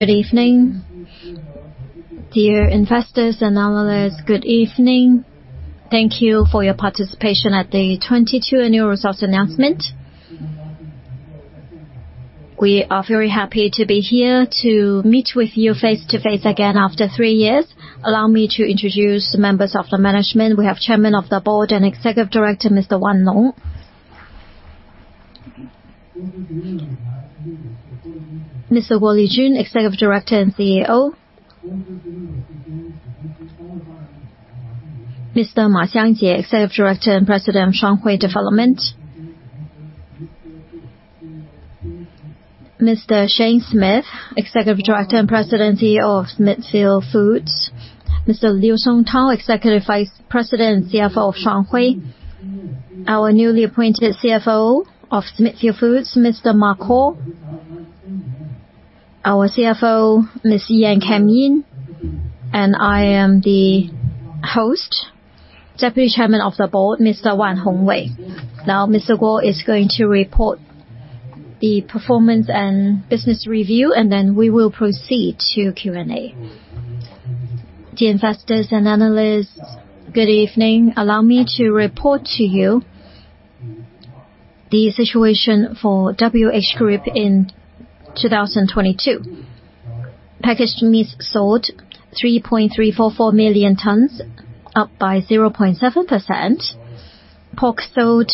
Good evening. Dear investors and analysts, good evening. Thank you for your participation at the 2022 Annual Results Announcement. We are very happy to be here to meet with you face-to-face again after three years. Allow me to introduce members of the management. We have Chairman of the Board and Executive Director, Mr. Wan Long. Mr. Guo Lijun, Executive Director and CEO. Ma Xiangjie, Executive Director and President, Shuanghui Development. Mr. Shane Smith, Executive Director and President and CEO of Smithfield Foods. Mr. Liu Songtao, Executive Vice President and CFO of Shuanghui. Our newly appointed CFO of Smithfield Foods, Mr. Mark Hall. Our CFO, Ms. Yan Kam Yin. I am the host, Deputy Chairman of the Board, Mr. Wan Hongwei. Mr. Guo is going to report the performance and business review, and then we will proceed to Q&A. Dear investors and analysts, good evening. Allow me to report to you the situation for WH Group in 2022. Packaged meats sold 3.344 million tons, up by 0.7%. Pork sold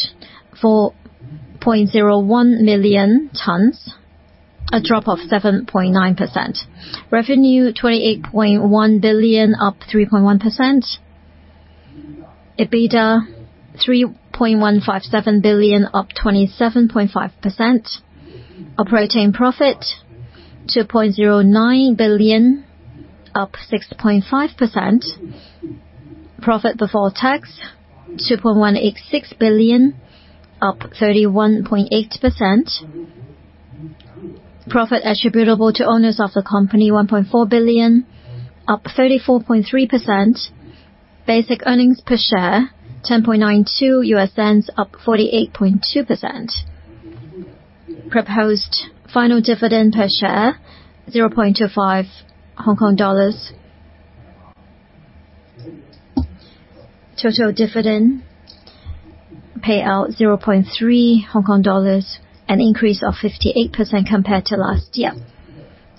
4.01 million tons, a drop of 7.9%. Revenue $28.1 billion, up 3.1%. EBITDA $3.157 billion, up 27.5%. Operating profit $2.09 billion, up 6.5%. Profit before tax $2.186 billion, up 31.8%. Profit attributable to owners of the company $1.4 billion, up 34.3%. Basic earnings per share $0.1092, up 48.2%. Proposed final dividend per share 0.25 Hong Kong dollars. Total dividend payout 0.3 Hong Kong dollars, an increase of 58% compared to last year.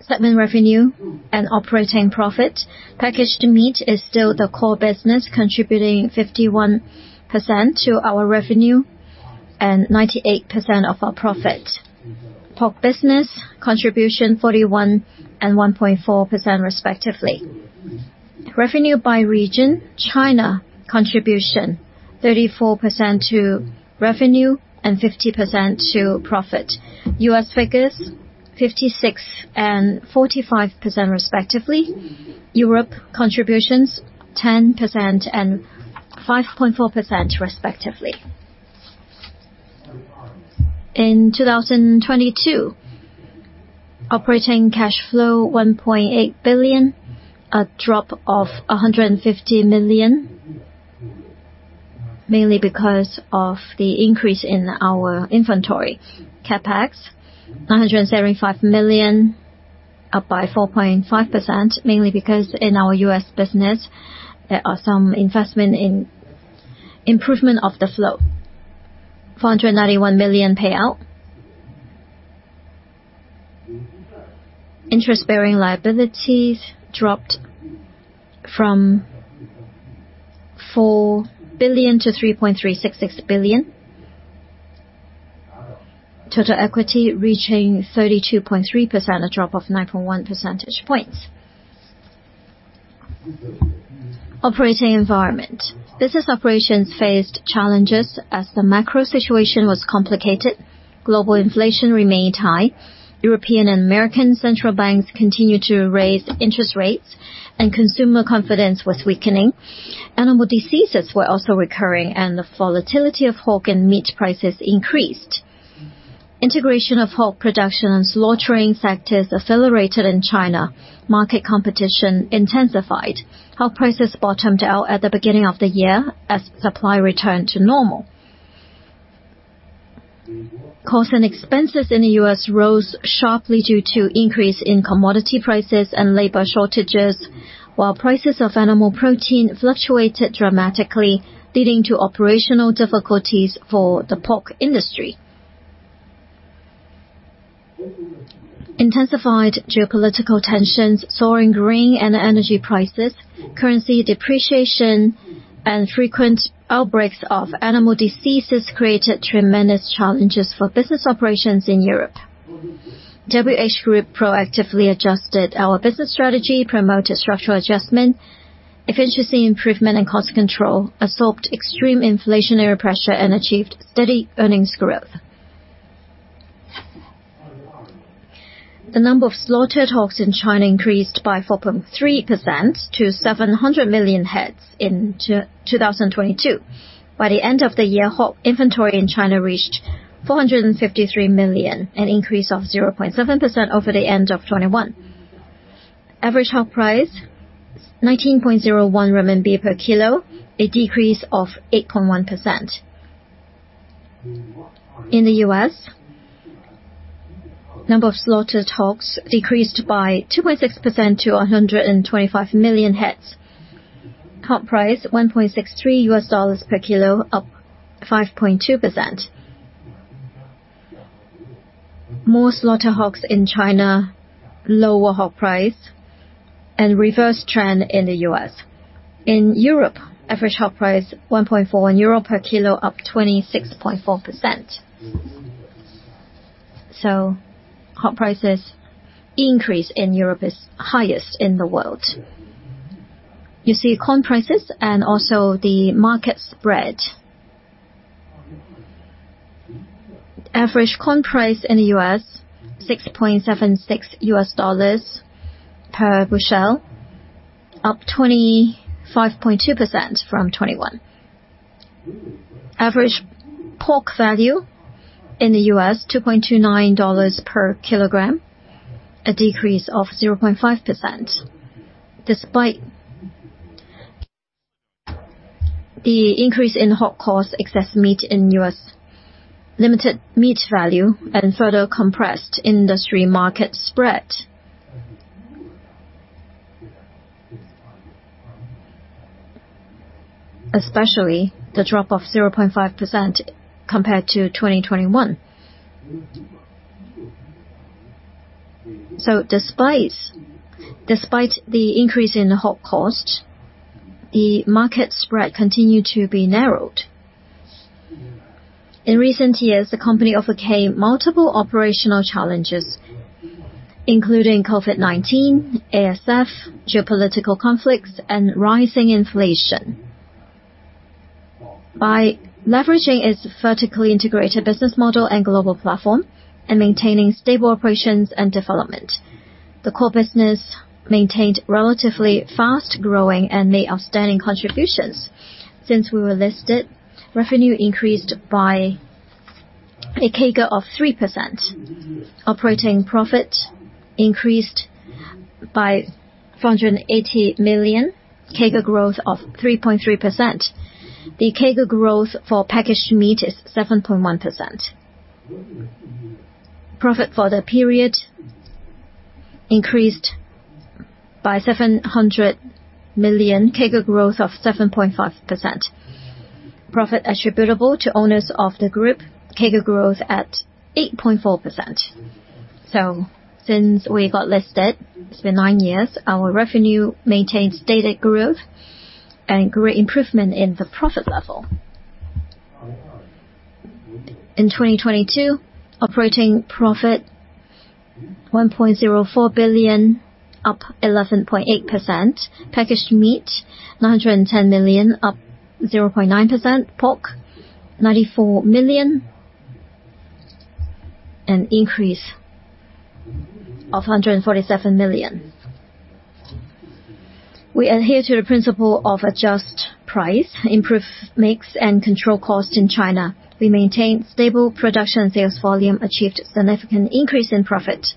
Segment revenue and operating profit. Packaged Meats is still the core business, contributing 51% to our revenue and 98% of our profit. Pork business contribution 41% and 1.4% respectively. Revenue by region. China contribution 34% to revenue and 50% to profit. U.S. figures 56% and 45% respectively. Europe contributions 10% and 5.4% respectively. In 2022, operating cash flow $1.8 billion, a drop of $150 million, mainly because of the increase in our inventory CapEx. $975 million, up by 4.5%, mainly because in our U.S. business there are some investment in improvement of the flow. $491 million payout. Interest-bearing liabilities dropped from $4 billion to $3.366 billion. Total equity reaching 32.3%, a drop of 9.1 percentage points. Operating environment. Business operations faced challenges as the macro situation was complicated. Global inflation remained high. European and American central banks continued to raise interest rates and consumer confidence was weakening. Animal diseases were also recurring and the volatility of hog and meat prices increased. Integration of hog production and slaughtering sectors accelerated in China. Market competition intensified. Hog prices bottomed out at the beginning of the year as supply returned to normal. Costs and expenses in the U.S. rose sharply due to increase in commodity prices and labor shortages, while prices of animal protein fluctuated dramatically, leading to operational difficulties for the pork industry. Intensified geopolitical tensions, soaring grain and energy prices, currency depreciation, and frequent outbreaks of animal diseases created tremendous challenges for business operations in Europe. WH Group proactively adjusted our business strategy, promoted structural adjustment, efficiency improvement and cost control, absorbed extreme inflationary pressure, and achieved steady earnings growth. The number of slaughtered hogs in China increased by 4.3% to 700 million heads in 2022. By the end of the year, hog inventory in China reached 453 million, an increase of 0.7% over the end of 2021. Average hog price 19.01 RMB per kilo, a decrease of 8.1%. In the U.S., number of slaughtered hogs decreased by 2.6% to 125 million heads. Hog price, $1.63 per kilo, up 5.2%. More slaughter hogs in China, lower hog price and reverse trend in the U.S.. In Europe, average hog price 1.4 euro per kilo, up 26.4%. Hog prices increase in Europe is highest in the world. You see corn prices and also the market spread. Average corn price in the U.S., $6.76 per bushel, up 25.2% from 2021. Average pork value in the U.S., $2.29 per kilogram, a decrease of 0.5%. Despite the increase in hog cost, excess meat in U.S., limited meat value and further compressed industry market spread. Especially the drop of 0.5% compared to 2021. Despite the increase in the hog cost, the market spread continued to be narrowed. In recent years, the company overcame multiple operational challenges, including COVID-19, ASF, geopolitical conflicts and rising inflation. By leveraging its vertically integrated business model and global platform and maintaining stable operations and development, the core business maintained relatively fast-growing and made outstanding contributions. Since we were listed, revenue increased by a CAGR of 3%. Operating profit increased by $480 million, CAGR growth of 3.3%. The CAGR growth for Packaged Meats is 7.1%. Profit for the period increased by $700 million, CAGR growth of 7.5%. Profit attributable to owners of the group, CAGR growth at 8.4%. Since we got listed, it's been nine years. Our revenue maintains stated growth and great improvement in the profit level. In 2022, operating profit $1.04 billion, up 11.8%. Packaged meat, $910 million, up 0.9%. Pork, $94 million, an increase of $147 million. We adhere to the principle of adjust price, improve mix, and control cost in China. We maintain stable production sales volume, achieved significant increase in profit.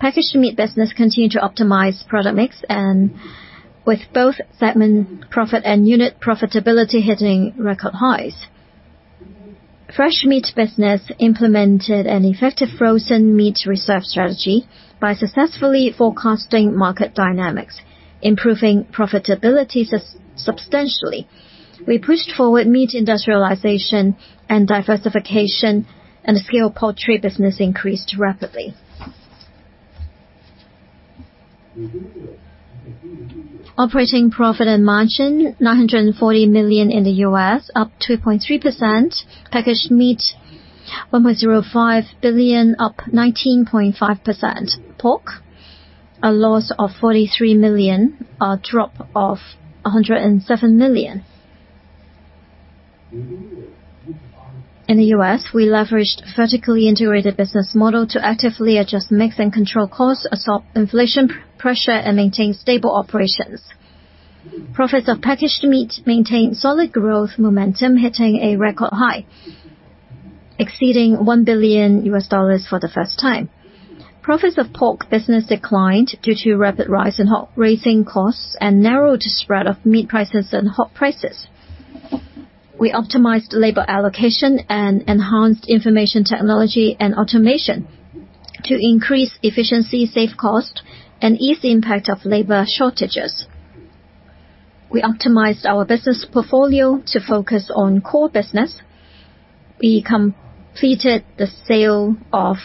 Packaged meat business continued to optimize product mix with both segment profit and unit profitability hitting record highs. Fresh meat business implemented an effective frozen meat reserve strategy by successfully forecasting market dynamics, improving profitability substantially. We pushed forward meat industrialization and diversification, the scale poultry business increased rapidly. Operating profit and margin, $940 million in the U.S., up 2.3%. Packaged meat, $1.05 billion, up 19.5%. Pork, a loss of $43 million, a drop of $107 million. In the U.S., we leveraged vertically integrated business model to actively adjust mix and control costs, absorb inflation pressure, and maintain stable operations. Profits of Packaged Meats maintained solid growth momentum, hitting a record high, exceeding $1 billion for the first time. Profits of pork business declined due to rapid rise in hog raising costs and narrowed spread of meat prices and hog prices. We optimized labor allocation and enhanced information technology and automation to increase efficiency, save cost, and ease the impact of labor shortages. We optimized our business portfolio to focus on core business. We completed the sale of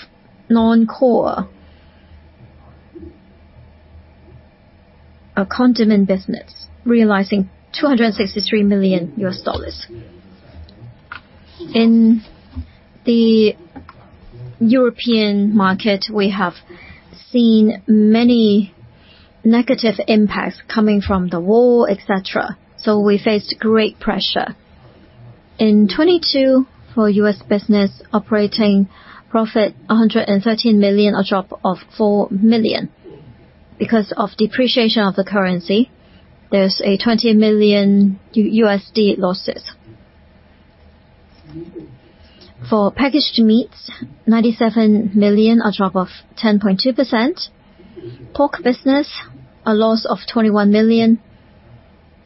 non-core, our condiment business, realizing $263 million. In the European market, we have seen many negative impacts coming from the war, et cetera. We faced great pressure. In 2022, for U.S. business operating profit, $113 million, a drop of $4 million. Because of depreciation of the currency, there's a $20 million losses. For Packaged Meats, $97 million, a drop of 10.2%. Pork business, a loss of $21 million.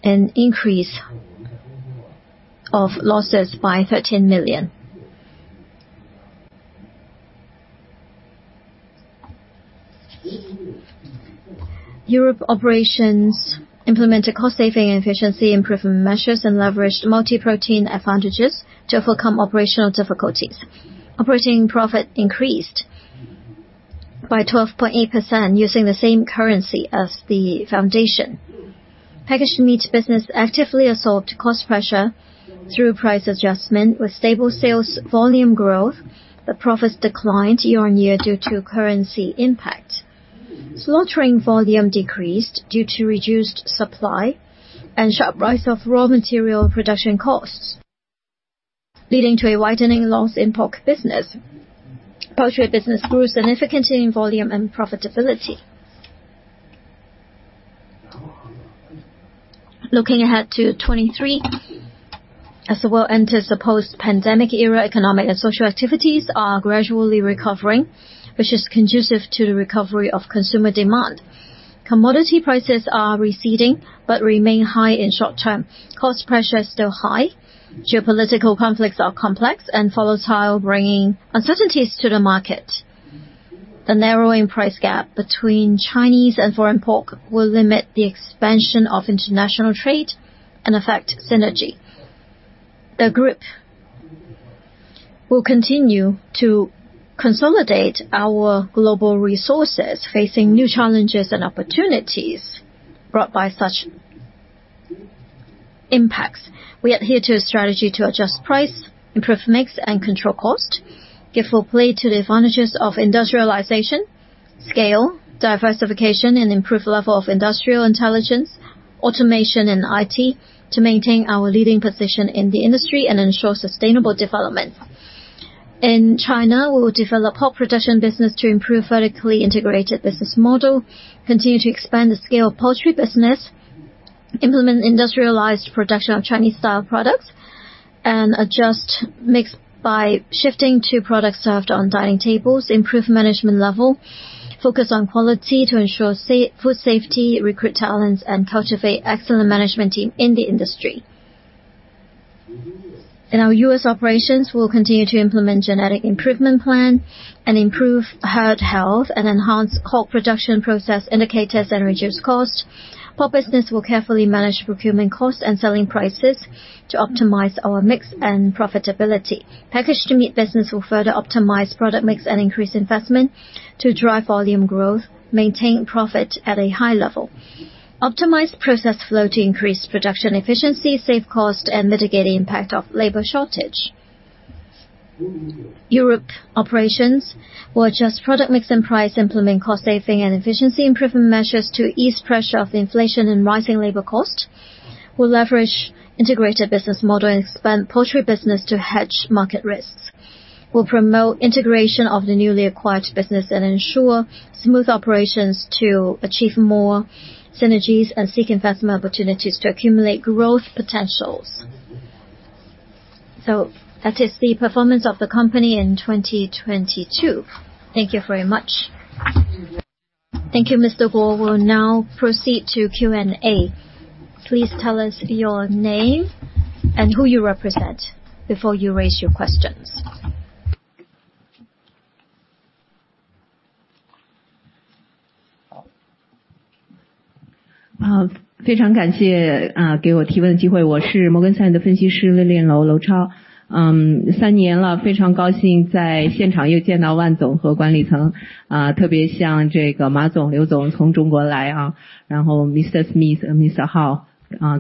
An increase of losses by $13 million. Europe operations implemented cost saving and efficiency improvement measures and leveraged multi-protein advantages to overcome operational difficulties. Operating profit increased by 12.8% using the same currency as the foundation. Packaged meat business actively absorbed cost pressure through price adjustment with stable sales volume growth. The profits declined year-on-year due to currency impact. Slaughtering volume decreased due to reduced supply and sharp rise of raw material production costs, leading to a widening loss in pork business. Poultry business grew significantly in volume and profitability. Looking ahead to 2023. As the world enters the post-pandemic era, economic and social activities are gradually recovering, which is conducive to the recovery of consumer demand. Commodity prices are receding but remain high in short term. Cost pressure is still high. Geopolitical conflicts are complex and volatile, bringing uncertainties to the market. The narrowing price gap between Chinese and foreign pork will limit the expansion of international trade and affect synergy. The group will continue to consolidate our global resources facing new challenges and opportunities brought by such impacts. We adhere to a strategy to adjust price, improve mix and control cost. Give full play to the advantages of industrialization, scale, diversification, and improve level of industrial intelligence, automation and IT to maintain our leading position in the industry and ensure sustainable development. In China, we will develop pork production business to improve vertically integrated business model, continue to expand the scale of poultry business, implement industrialized production of Chinese-style products, adjust mix by shifting to products served on dining tables. Improve management level. Focus on quality to ensure food safety, recruit talents and cultivate excellent management team in the industry. In our U.S. operations, we'll continue to implement genetic improvement plan and improve herd health and enhance core production process indicators and reduce cost. Pork business will carefully manage procurement costs and selling prices to optimize our mix and profitability. Packaged meat business will further optimize product mix and increase investment to drive volume growth, maintain profit at a high level. Optimize process flow to increase production efficiency, save cost, and mitigate the impact of labor shortage. Europe operations will adjust product mix and price, implement cost saving and efficiency improvement measures to ease pressure of the inflation and rising labor cost. We'll leverage integrated business model and expand poultry business to hedge market risks. We'll promote integration of the newly acquired business and ensure smooth operations to achieve more synergies and seek investment opportunities to accumulate growth potentials. That is the performance of the company in 2022. Thank you very much. Thank you, Guo. We'll now proceed to Q&A. Please tell us your name and who you represent before you raise your questions.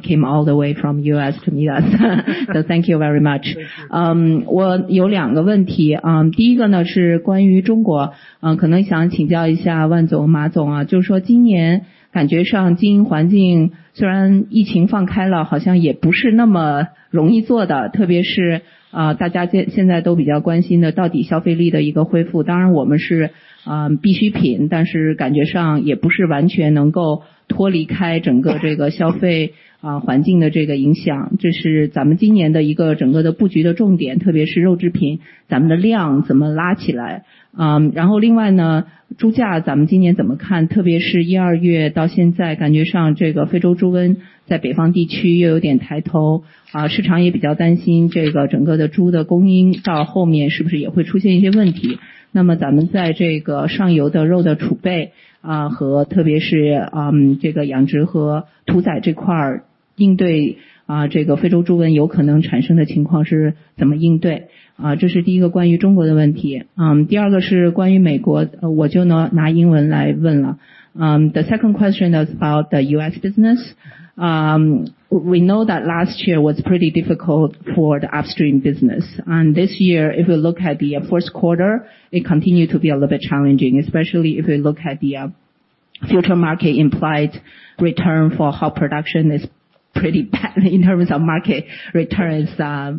came all the way from U.S. to meet us. Thank you very much. The second question is about the U.S. business. We know that last year was pretty difficult for the upstream business. This year, if we look at the first quarter, it continued to be a little bit challenging, especially if we look at the future market implied return for hog production is pretty bad in terms of market returns,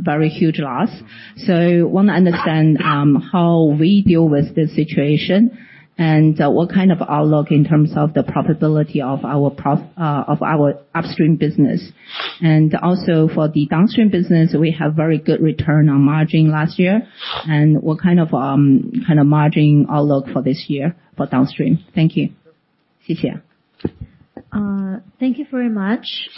very huge loss. Wanna understand how we deal with this situation and what kind of outlook in terms of the profitability of our upstream business. Also for the downstream business, we have very good return on margin last year. What kind of margin outlook for this year for downstream? Thank you. 谢 谢. Thank you very much.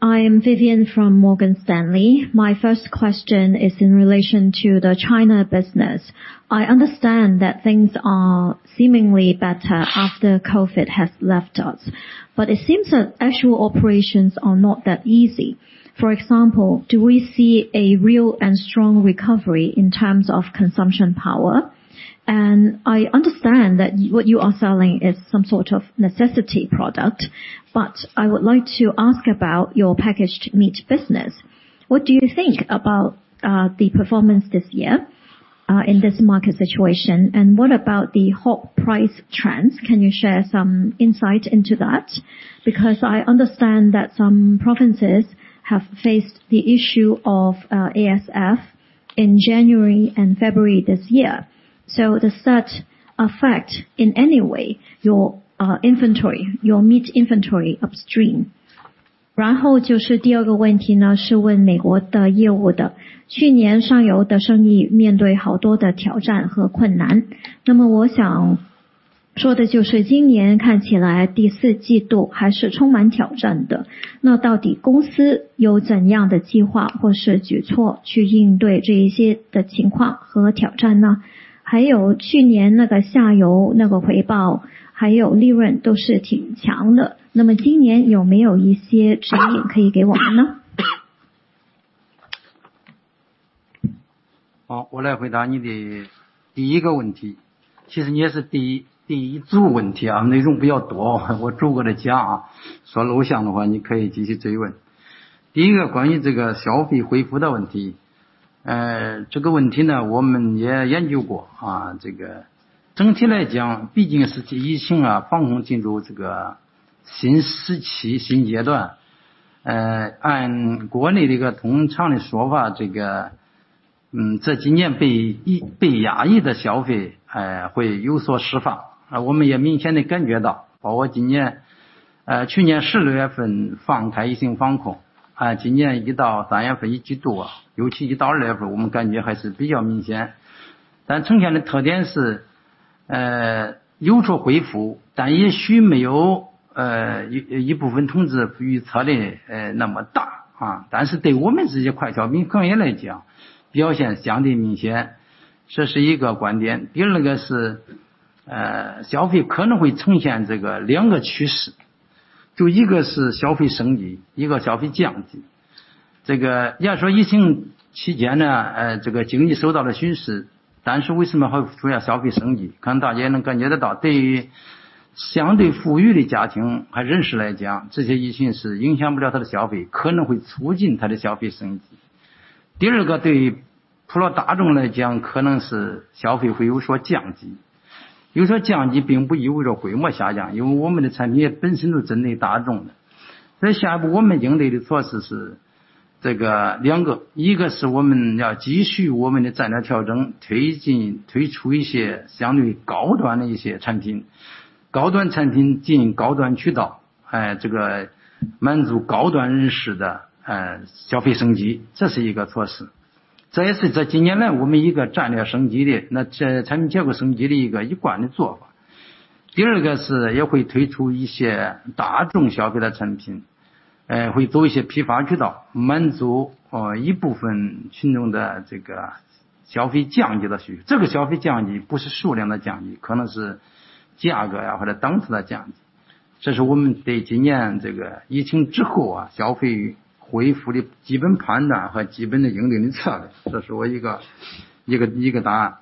I am Vivian from Morgan Stanley. My first question is in relation to the China business. I understand that things are seemingly better after COVID has left us. It seems that actual operations are not that easy. For example, do we see a real and strong recovery in terms of consumption power? I understand that what you are selling is some sort of necessity product. I would like to ask about your Packaged Meats business. What do you think about the performance this year in this market situation? What about the hog price trends? Can you share some insight into that? Because I understand that some provinces have faced the issue of ASF in January and February this year. Does that affect in any way your inventory, your meat inventory upstream? 然后就是第二个问题 呢， 是问美国的业务的。去年上游的生意面对好多的挑战和困 难， 那么我想说的就是今年看起来第四季度还是充满挑战 的， 那到底公司有怎样的计划或是举措去应对这一些的情况和挑战呢？还有去年那个下游那个回 报， 还有利润都是挺强 的， 那么今年有没有一些指引可以给我们 呢？ 好， 我来回答你的第一个问 题， 其实你也是第 一， 第一组问题 啊， 内容比较多。我住过的家 啊， 说楼下的 话， 你可以继续追问。第一个关于这个消费恢复的问 题， 呃， 这个问题 呢， 我们也研究 过， 啊这个整体来 讲， 毕竟是疫情 啊， 放开进入这个新时期、新阶 段， 呃， 按国内的一个通常的说 法， 这 个， 嗯， 这几年被抑--被压抑的消费 呃， 会有所释 放， 啊我们也明显地感觉 到， 包括今年--呃去年四六月份放开疫情防 控， 啊今年一到三月份一季 度， 尤其一到二月 份， 我们感觉还是比较明显。但呈现的特点 是， 呃， 有所恢 复， 但也许没 有， 呃， 一-一部分同志预测的那么大啊。但是对我们这些快消品行业来 讲， 表现相对明显。这是一个观点。第二个 是， 呃， 消费可能会呈现这个两个趋势，就一个是消费升 级， 一个消费降级。这个要说疫情期间 呢， 呃， 这个经济受到了损 失， 但是为什么还会出现消费升 级？ 可能大家也能感觉得 到， 对于相对富裕的家庭和人士来 讲， 这些疫情是影响不了他的消 费， 可能会促进他的消费升级。第二 个， 对于普通大众来 讲， 可能是消费会有所降级。有所降级并不意味着规模下 降， 因为我们的产品本身就针对大众。在下一步我们应对的措施是这个两 个， 一个是我们要继续我们的战略调 整， 推进推出一些相对高端的一些产 品， 高端产品进高端渠 道， 哎这个满足高端人士的 呃， 消费升 级， 这是一个措施，这也是这几年来我们一个战略升级 的， 那这产品结构升级的一个一贯的做法。第二个是也会推出一些大众消费的产 品， 呃， 会做一些批发渠 道， 满足啊一部分群众的这个消费降级的需求。这个消费降级不是数量的降 级， 可能是价格呀或者档次的降级。这是我们在今年这个疫情之后 啊， 消费恢复的基本判断和基本的运营的策略。这是我一 个， 一 个， 一个答案。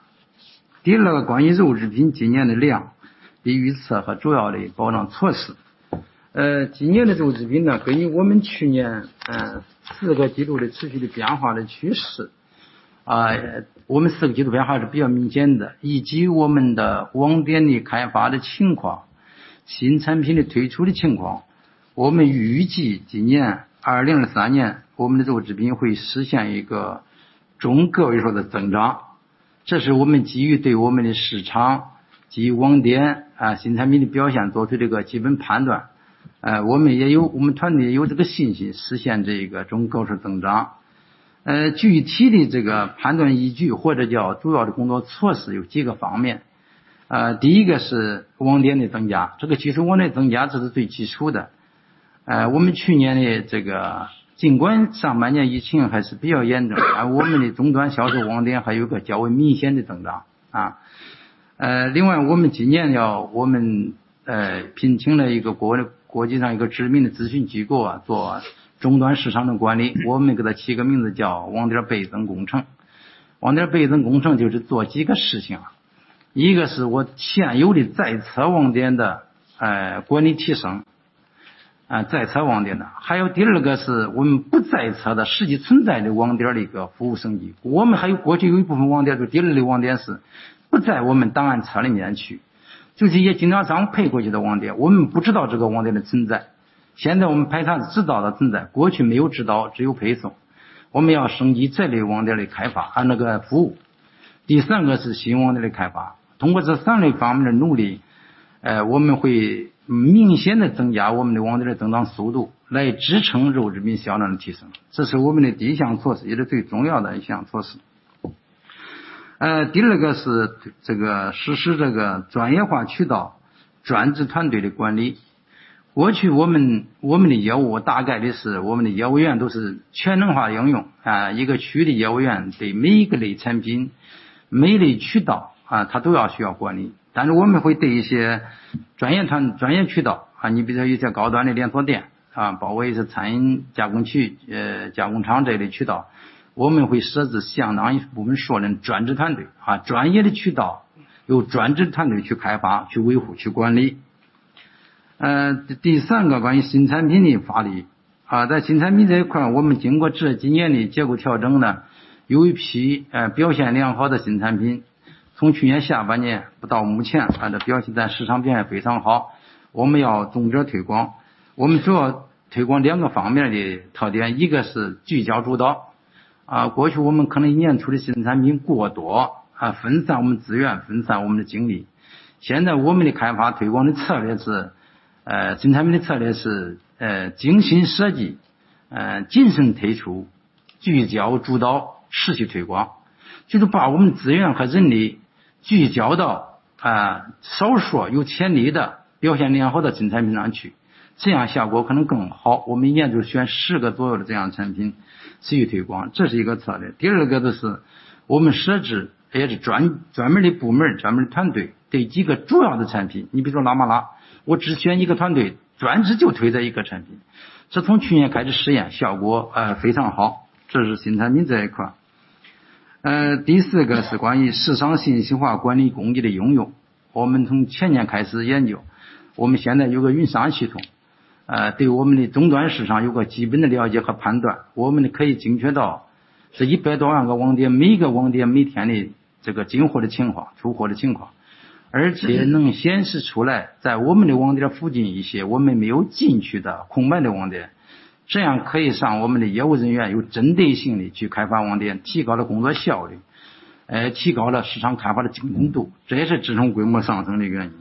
第二个关于肉制品今年的量比预测和主要的保障措施。呃， 今年的肉制品 呢， 根据我们去年呃四个季度的持续的变化的趋 势， 啊我们四个季度变化是比较明显 的， 以及我们的网点的开发的情 况， 新产品的推出的情 况， 我们预计今年2023年我们的肉制品会实现一个中个位数的增长。这是我们基于对我们的市场及网点啊新产品的表现做出的一个基本判断。呃我们也有--我们团队也有这个信心实现这个中个位数增长。呃， 具体的这个判断依据或者叫主要的工作措施有几个方面。呃， 第一个是网点的增 加， 这个其实网点增加这是最基础的。呃我们去年的这个尽管上半年疫情还是比较严 重， 而我们的终端销售网点还有一个较为明显的发展啊。呃， 另外我们今年要--我们 呃， 聘请了一个国-国际上一个知名的咨询机构 啊， 做终端市场的管 理， 我们给它起个名字叫网点倍增工程。网点倍增工程就是做几个事情啊。一个是我现有的在册网点的 呃， 管理提升，啊在册网点的。还有第二个是我们不在册的实际存在的网点的一个服务升级。我们还有过去有一部分网 点， 就第二类网点是不在我们档案册里面 去， 就是一些经销商配过去的网 点， 我们不知道这个网点的存在。现在我们派他知道的存 在， 过去没有知 道， 只有配送。我们要升级这类网点的开 发， 啊那个服务第三个是新网点的开发。通过这三类方面的努 力， 呃， 我们会明显地增加我们的网点的增长速 度， 来支撑肉制品销量的提升。这是我们的第一项措 施， 也是最重要的一项措施。呃， 第二个是这个实施这个专业化渠道专职团队的管理。过去我 们， 我们的业务大概的是我们的业务员都是全能化应 用， 啊， 一个区域的业务员对每一个类产 品， 每一类渠 道， 啊， 他都要需要管理。但是我们会对一些专业 团， 专业渠 道， 啊， 你比如说一些高端的连锁 店， 啊， 包括一些餐饮加工 区， 呃， 加工厂这类渠 道， 我们会设置相应的我们说的人专职团 队， 啊， 专业的渠 道， 由专职团队去开 发， 去维 护， 去管理。呃， 第三个关于新产品的发力。啊， 在新产品这一 块， 我们经过这几年的结构调整 呢， 有一 批， 呃， 表现良好的新产品，从去年下半年到目 前， 啊， 这表现在市场表现非常 好， 我们要重点推广。我们主要推广两个方面的特 点， 一个是聚焦主导。啊， 过去我们可能一年出的新产品过 多， 啊， 分散我们资 源， 分散我们的精力。现在我们的开发推广的策略 是， 呃， 新产品的策略 是， 呃， 精心设 计， 呃， 精心推 出， 聚焦主 导， 持续推 广， 就是把我们资源和人力聚焦 到， 啊， 少数有潜力的表现良好的新产品上 去， 这样效果可能更好。我们一年就选四个左右的这样产品持续推 广， 这是一个策略。第二个的是我们设置也是 专， 专门的部 门， 专门的团 队， 对几个主要的产 品， 你比如说拉拉 拉， 我只选一个团 队， 专职就推这一个产品。这从去年开始实 验， 效 果， 呃， 非常好。这是新产品这一块。呃， 第四个是关于市场信息化管理工具的运用。我们从前年开始研 究， 我们现在有个云系 统， 呃， 对我们的终端市场有个基本的了解和判 断， 我们可以精确到这一百多万个网 点， 每一个网点每天的这个进货的情 况， 出货的情 况， 而且能显示出来在我们的网点附近一些我们没有进去的空白的网点，这样可以让我们的业务人员有针对性地去开发网 点， 提高了工作效 率， 呃， 提高了市场开发的精准 度， 这也是支撑规模上升的原因。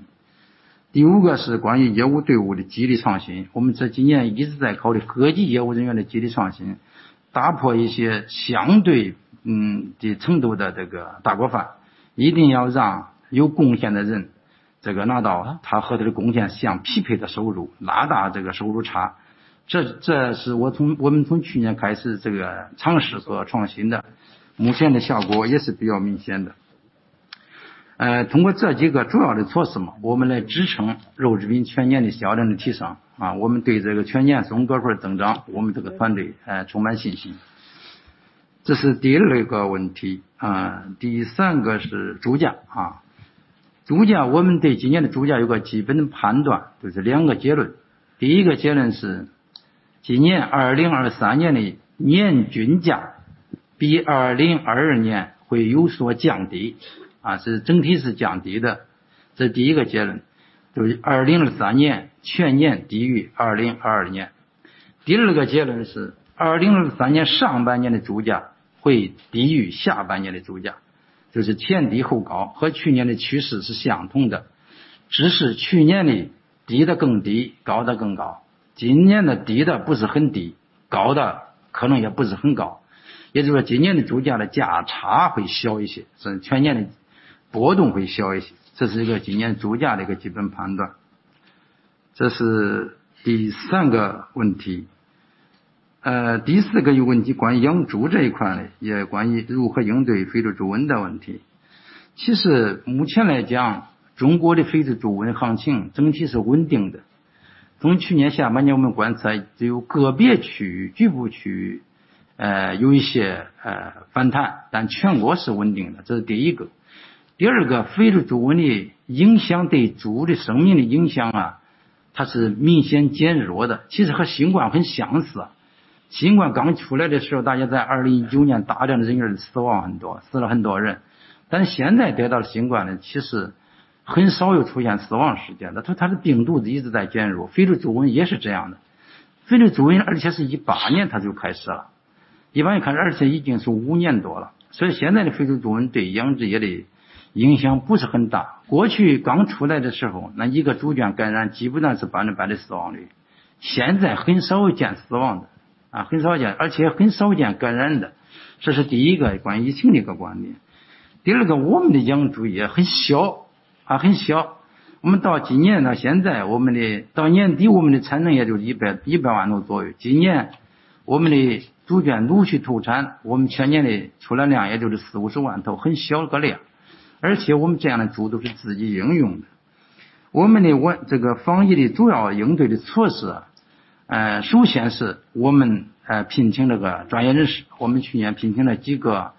第五个是关于业务队伍的激励创新。我们这几年一直在考虑各级业务人员的激励创 新， 打破一些相 对， 嗯， 的程度的这个大锅 饭， 一定要让有贡献的人这个拿到他和他的贡献相匹配的收 入， 拉大这个收入差。这这是我从我们从去年开始这个尝试和创新 的， 目前的效果也是比较明显的。呃， 通过这几个主要的措施 嘛， 我们来支撑肉制品全年的销量的提升。啊， 我们对这个全年双位数增 长， 我们这个团 队， 呃， 充满信心。这是第二个问题。啊， 第三个是猪价。啊。猪价我们对今年的猪价有个基本的判 断， 就是两个结论。第一个结论是今年2023年的年均价比2022年会有所降 低， 啊， 是整体是降低 的， 这是第一个结论。就是2023年全年低于2022 年。第二个结论是2023年上半年的猪价会低于下半年的猪 价， 就是前低后 高， 和去年的趋势是相同 的， 只是去年的低得更 低， 高得更高。今年的低得不是很 低， 高得可能也不是很高。也就是说今年的猪价的价差会小一 些， 所以全年的波动会小一些。这是一个今年猪价的一个基本判断。这是第三个问题。呃， 第四个有问题关于养猪这一块 的， 也关于如何应对非洲猪瘟的问题。其实目前来 讲， 中国的非洲猪瘟行情整体是稳定的。从去年下半年我们观 察， 只有个别区 域， 局部区 域， 呃， 有一 些， 呃， 反 弹， 但全国是稳定 的， 这是第一个。第二 个， 非洲猪瘟的影响对猪的生命的影响 啊， 它是明显减弱 的， 其实和新冠很相似。新冠刚出来的时 候， 大家在2019年大量的人员死亡很 多， 死了很多 人， 但现在得到了新冠 呢， 其实很少有出现死亡事件 的， 它它的病毒一直在减 弱， 非洲猪瘟也是这样的。非洲猪瘟2018年它就开始 了， 一般来看现在已经是五年多 了， 所以现在的非洲猪瘟对养殖业的影响不是很大。过去刚出来的时 候， 那一个猪圈感染基本上是百分百的死亡率。现在很少见死亡 的， 啊很少 见， 而且很少见感染的。这是第一个关于疫情的一个观点。第二 个， 我们的养猪也很小，啊很小。我们到今年 呢， 现在我们的到年底我们的产能也就一 百， 一百万头左右。今年我们的猪圈陆续投 产， 我们全年的出栏量也就是四五十万 头， 很小的量。而且我们这样的猪都是自己应用的。我们的这个防疫的主要应对的措 施， 呃， 首先是我 们， 呃， 聘请这个专业人 士， 我们去年聘请了几个，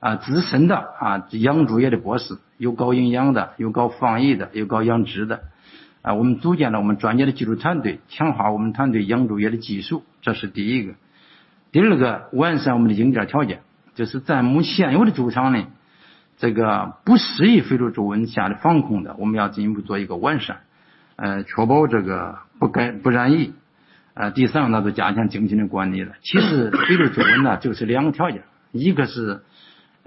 呃， 资深 的， 啊， 养猪业的博 士， 有搞营养 的， 有搞防疫 的， 有搞养殖的。啊我们组建了我们专业的技术团 队， 强化我们团队养猪业的技 术， 这是第一个。第二 个， 完善我们的硬体条 件， 就是在目前有的猪场 呢， 这个不适宜非洲猪瘟下的放空 的， 我们要进一步做一个完 善， 呃， 确保这个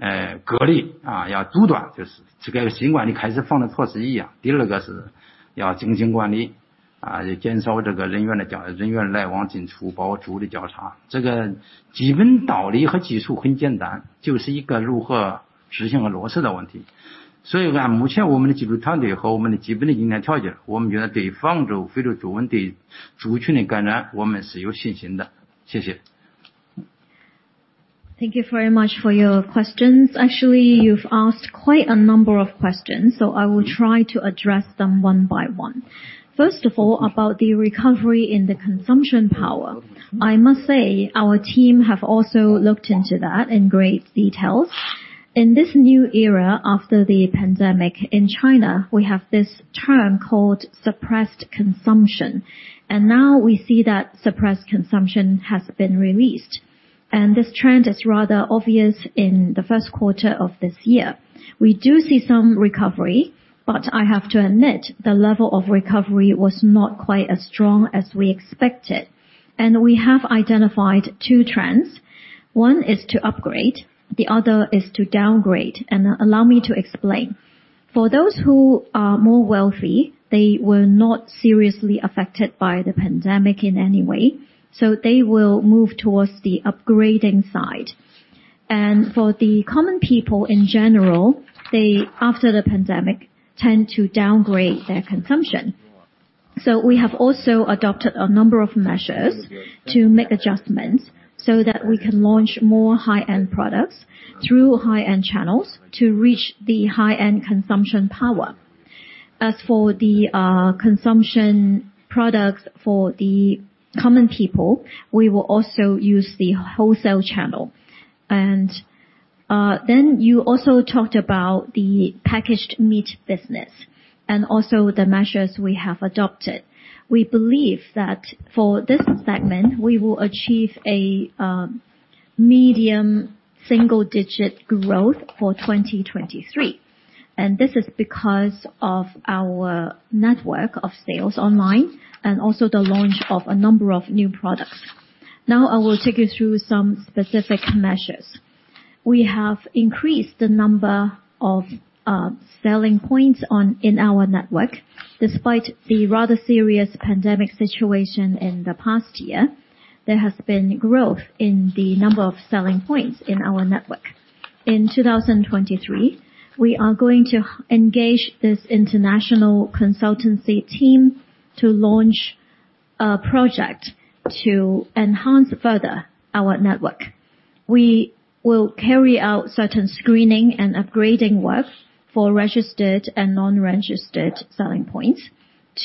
不 感， 不染疫。Uh, third, to strengthen management. In fact, African swine fever has two conditions. One is isolation. To prevent the spread. This is the measure initially implemented by the epidemic prevention and control. The second is to strengthen management. To reduce the staff's comings and goings, entry and exit, and regularly investigate. This basic principle and technique are very simple. It is a matter of how to implement and implement it. Based on our current technical team and our basic epidemic prevention conditions, we feel confident about preventing African swine fever from infecting herds. Thank you. Thank you very much for your questions. Actually, you've asked quite a number of questions, I will try to address them one by one. First of all, about the recovery in the consumption power. I must say our team have also looked into that in great details. In this new era, after the pandemic in China, we have this term called suppressed consumption, now we see that suppressed consumption has been released. This trend is rather obvious in the first quarter of this year. We do see some recovery, I have to admit the level of recovery was not quite as strong as we expected. We have identified two trends. One is to upgrade, the other is to downgrade. Allow me to explain. For those who are more wealthy, they were not seriously affected by the pandemic in any way, so they will move towards the upgrading side. For the common people in general, they, after the pandemic, tend to downgrade their consumption. We have also adopted a number of measures to make adjustments so that we can launch more high-end products through high-end channels to reach the high-end consumption power. As for the consumption products for the common people, we will also use the wholesale channel. Then you also talked about the Packaged Meats business and also the measures we have adopted. We believe that for this segment, we will achieve a medium single digit growth for 2023. This is because of our network of sales online and also the launch of a number of new products. I will take you through some specific measures. We have increased the number of selling points in our network. Despite the rather serious pandemic situation in the past year, there has been growth in the number of selling points in our network. In 2023, we are going to engage this international consultancy team to launch a project to enhance further our network. We will carry out certain screening and upgrading work for registered and non-registered selling points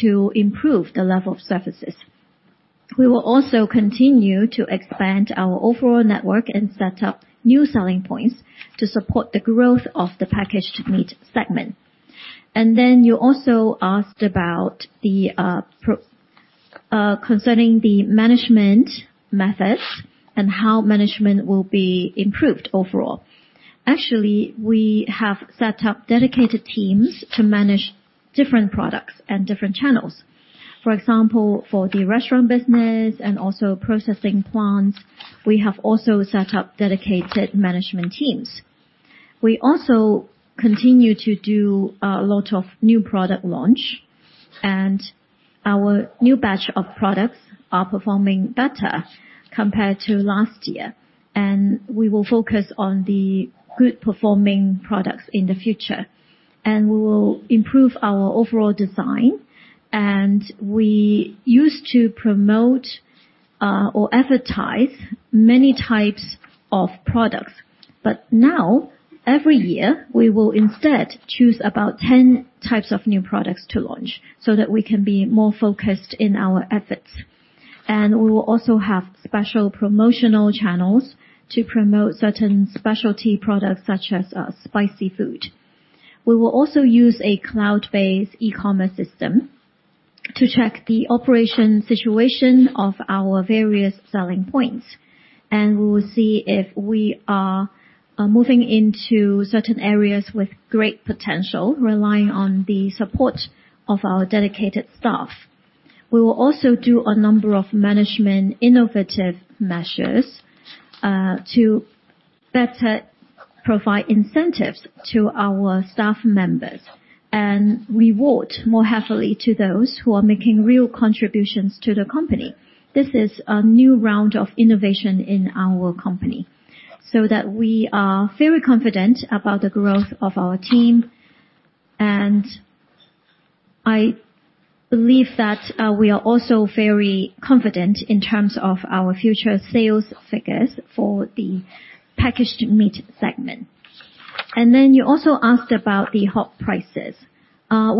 to improve the level of services. We will also continue to expand our overall network and set up new selling points to support the growth of the Packaged Meats segment. You also asked about concerning the management methods and how management will be improved overall. Actually, we have set up dedicated teams to manage different products and different channels. For example, for the restaurant business and also processing plants, we have also set up dedicated management teams. We also continue to do a lot of new product launch, and our new batch of products are performing better compared to last year, and we will focus on the good performing products in the future, and we will improve our overall design. We used to promote or advertise many types of products, but now every year, we will instead choose about 10 types of new products to launch so that we can be more focused in our efforts. We will also have special promotional channels to promote certain specialty products, such as spicy food. We will also use a cloud-based e-commerce system to check the operation situation of our various selling points, and we will see if we are moving into certain areas with great potential, relying on the support of our dedicated staff. We will also do a number of management innovative measures to better provide incentives to our staff members and reward more heavily to those who are making real contributions to the company. This is a new round of innovation in our company, so that we are very confident about the growth of our team. I believe that, we are also very confident in terms of our future sales figures for the Packaged Meats segment. You also asked about the hog prices.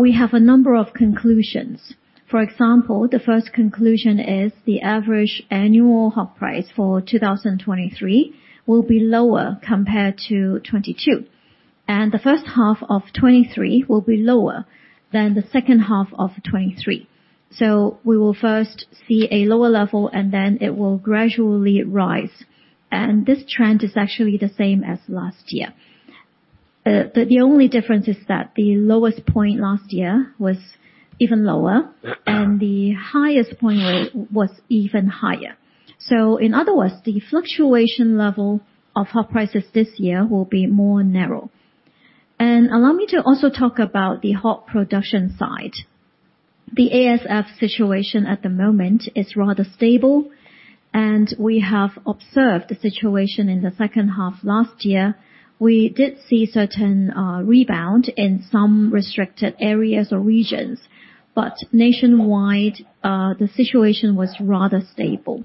We have a number of conclusions. For example, the first conclusion is the average annual hog price for 2023 will be lower compared to 2022, and the first half of 2023 will be lower than the second half of 2023. We will first see a lower level, and then it will gradually rise. This trend is actually the same as last year. The only difference is that the lowest point last year was even lower, and the highest point was even higher. In other words, the fluctuation level of hog prices this year will be more narrow. Allow me to also talk about the hog production side. The ASF situation at the moment is rather stable, and we have observed the situation in the second half last year. We did see certain rebound in some restricted areas or regions, but nationwide, the situation was rather stable.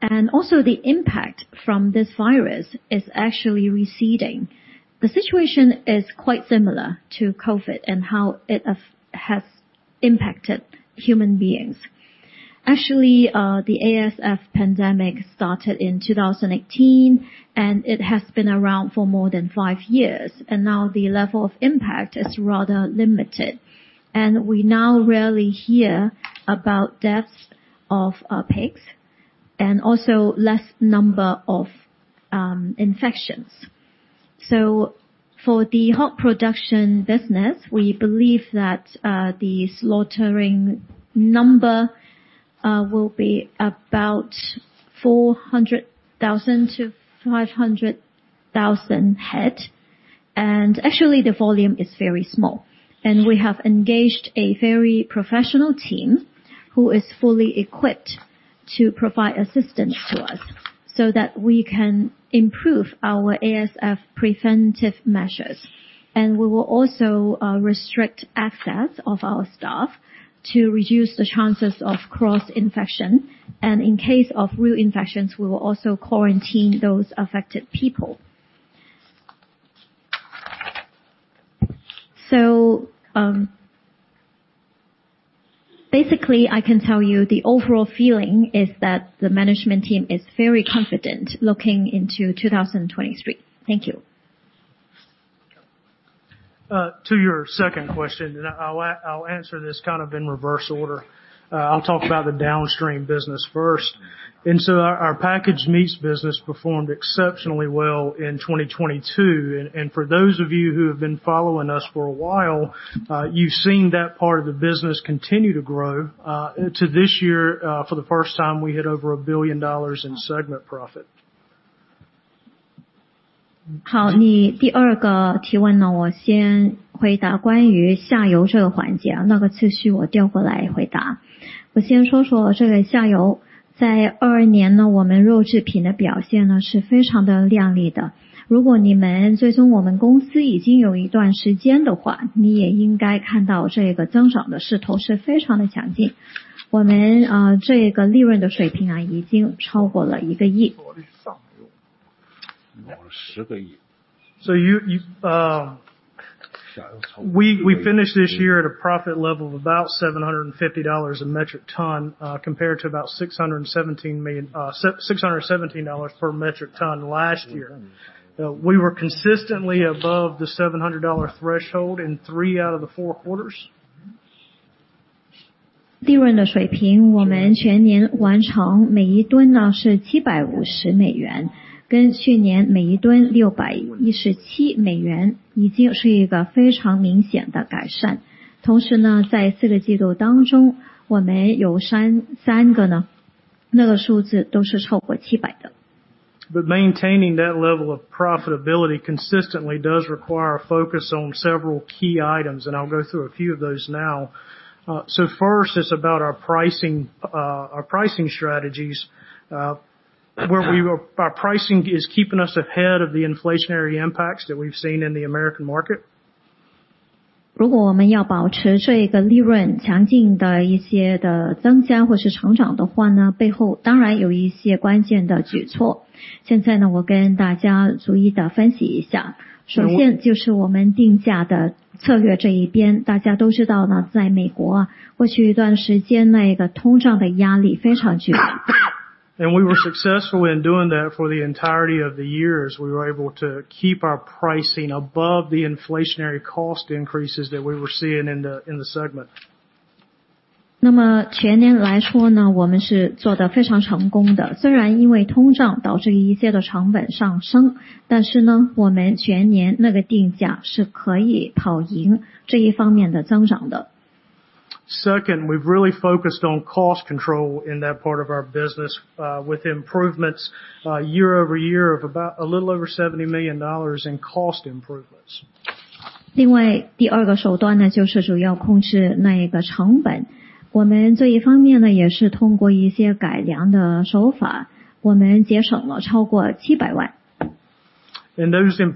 The impact from this virus is actually receding. The situation is quite similar to COVID and how it has impacted human beings. Actually, the ASF pandemic started in 2018, it has been around for more than five years, now the level of impact is rather limited. We now rarely hear about deaths of pigs and also less number of infections. For the hog production business, we believe that the slaughtering number will be about 400,000-500,000 head. Actually the volume is very small, we have engaged a very professional team who is fully equipped to provide assistance to us so that we can improve our ASF preventive measures. We will also restrict access of our staff to reduce the chances of cross-infection. In case of real infections, we will also quarantine those affected people. Basically, I can tell you the overall feeling is that the management team is very confident looking into 2023. Thank you. To your second question, I'll answer this kind of in reverse order. I'll talk about the downstream business first. Our Packaged Meats business performed exceptionally well in 2022. For those of you who have been following us for a while, you've seen that part of the business continue to grow, to this year, for the first time, we hit over $1 billion in segment profit. We finished this year at a profit level of about $750 a metric ton, compared to about $617 per metric ton last year. We were consistently above the $700 threshold in three out of the four quarters. Maintaining that level of profitability consistently does require a focus on several key items, and I'll go through a few of those now. First it's about our pricing, our pricing strategies. Our pricing is keeping us ahead of the inflationary impacts that we've seen in the American market. We were successful in doing that for the entirety of the year, as we were able to keep our pricing above the inflationary cost increases that we were seeing in the segment. Second, we've really focused on cost control in that part of our business, with improvements year-over-year of about a little over $70 million in cost improvements. Those improvements are coming from areas where we see labor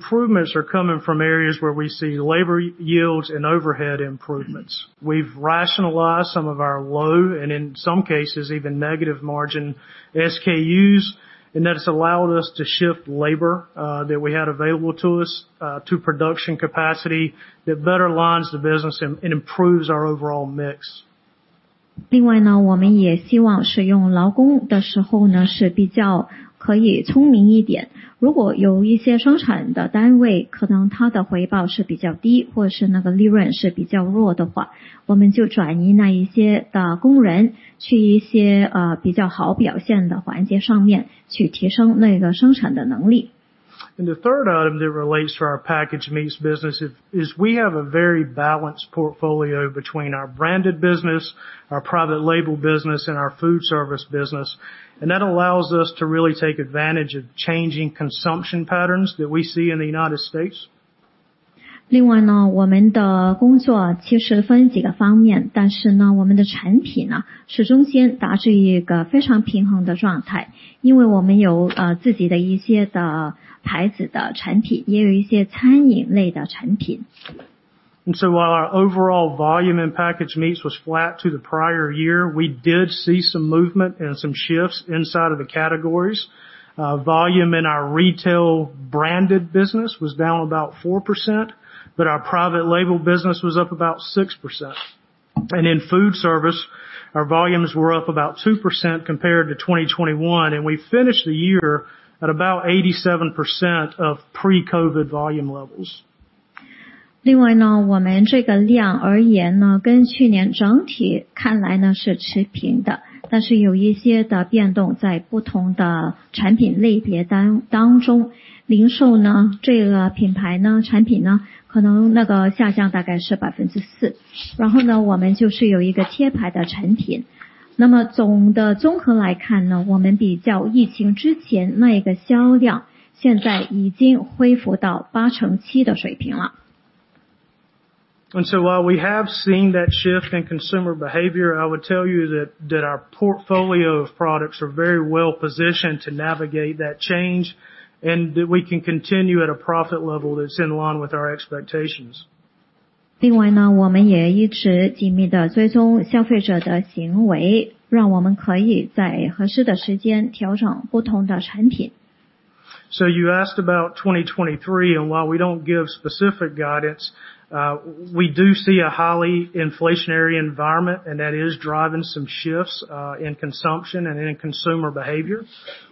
yields 我们的工作其实分几个方 面， 但是 呢， 我们的产品 呢， 始终先达至一个非常平衡的状 态， 因为我们有自己的一些的牌子的产 品， 也有一些餐饮类的产品。While our overall volume and Packaged Meats was flat to the prior year, we did see some movement and some shifts inside of the categories. Volume in our retail branded business was down about 4%, but our private label business was up about 6%. In foodservice our volumes were up about 2% compared to 2021, and we finished the year at about 87% of pre-COVID volume levels. 我们这个量而言 呢， 跟去年整体看来呢是持平 的， 但是有一些的变动在不同的产品类别当中。零售呢这个品牌 呢， 产品 呢， 可能那个下降大概是 4%， 我们就是有一个贴牌的产品。总的综合来看 呢， 我们比较疫情之前那个销量现在已经恢复到 87% 的水平 了. While we have seen that shift in consumer behavior, I would tell you that our portfolio of products are very well positioned to navigate that change and that we can continue at a profit level that's in line with our expectations. 另外 呢， 我们也一直紧密地追踪消费者的行 为， 让我们可以再合适的时间调整不同的产品。You asked about 2023, and while we don't give specific guidance, we do see a highly inflationary environment and that is driving some shifts in consumption and in consumer behavior.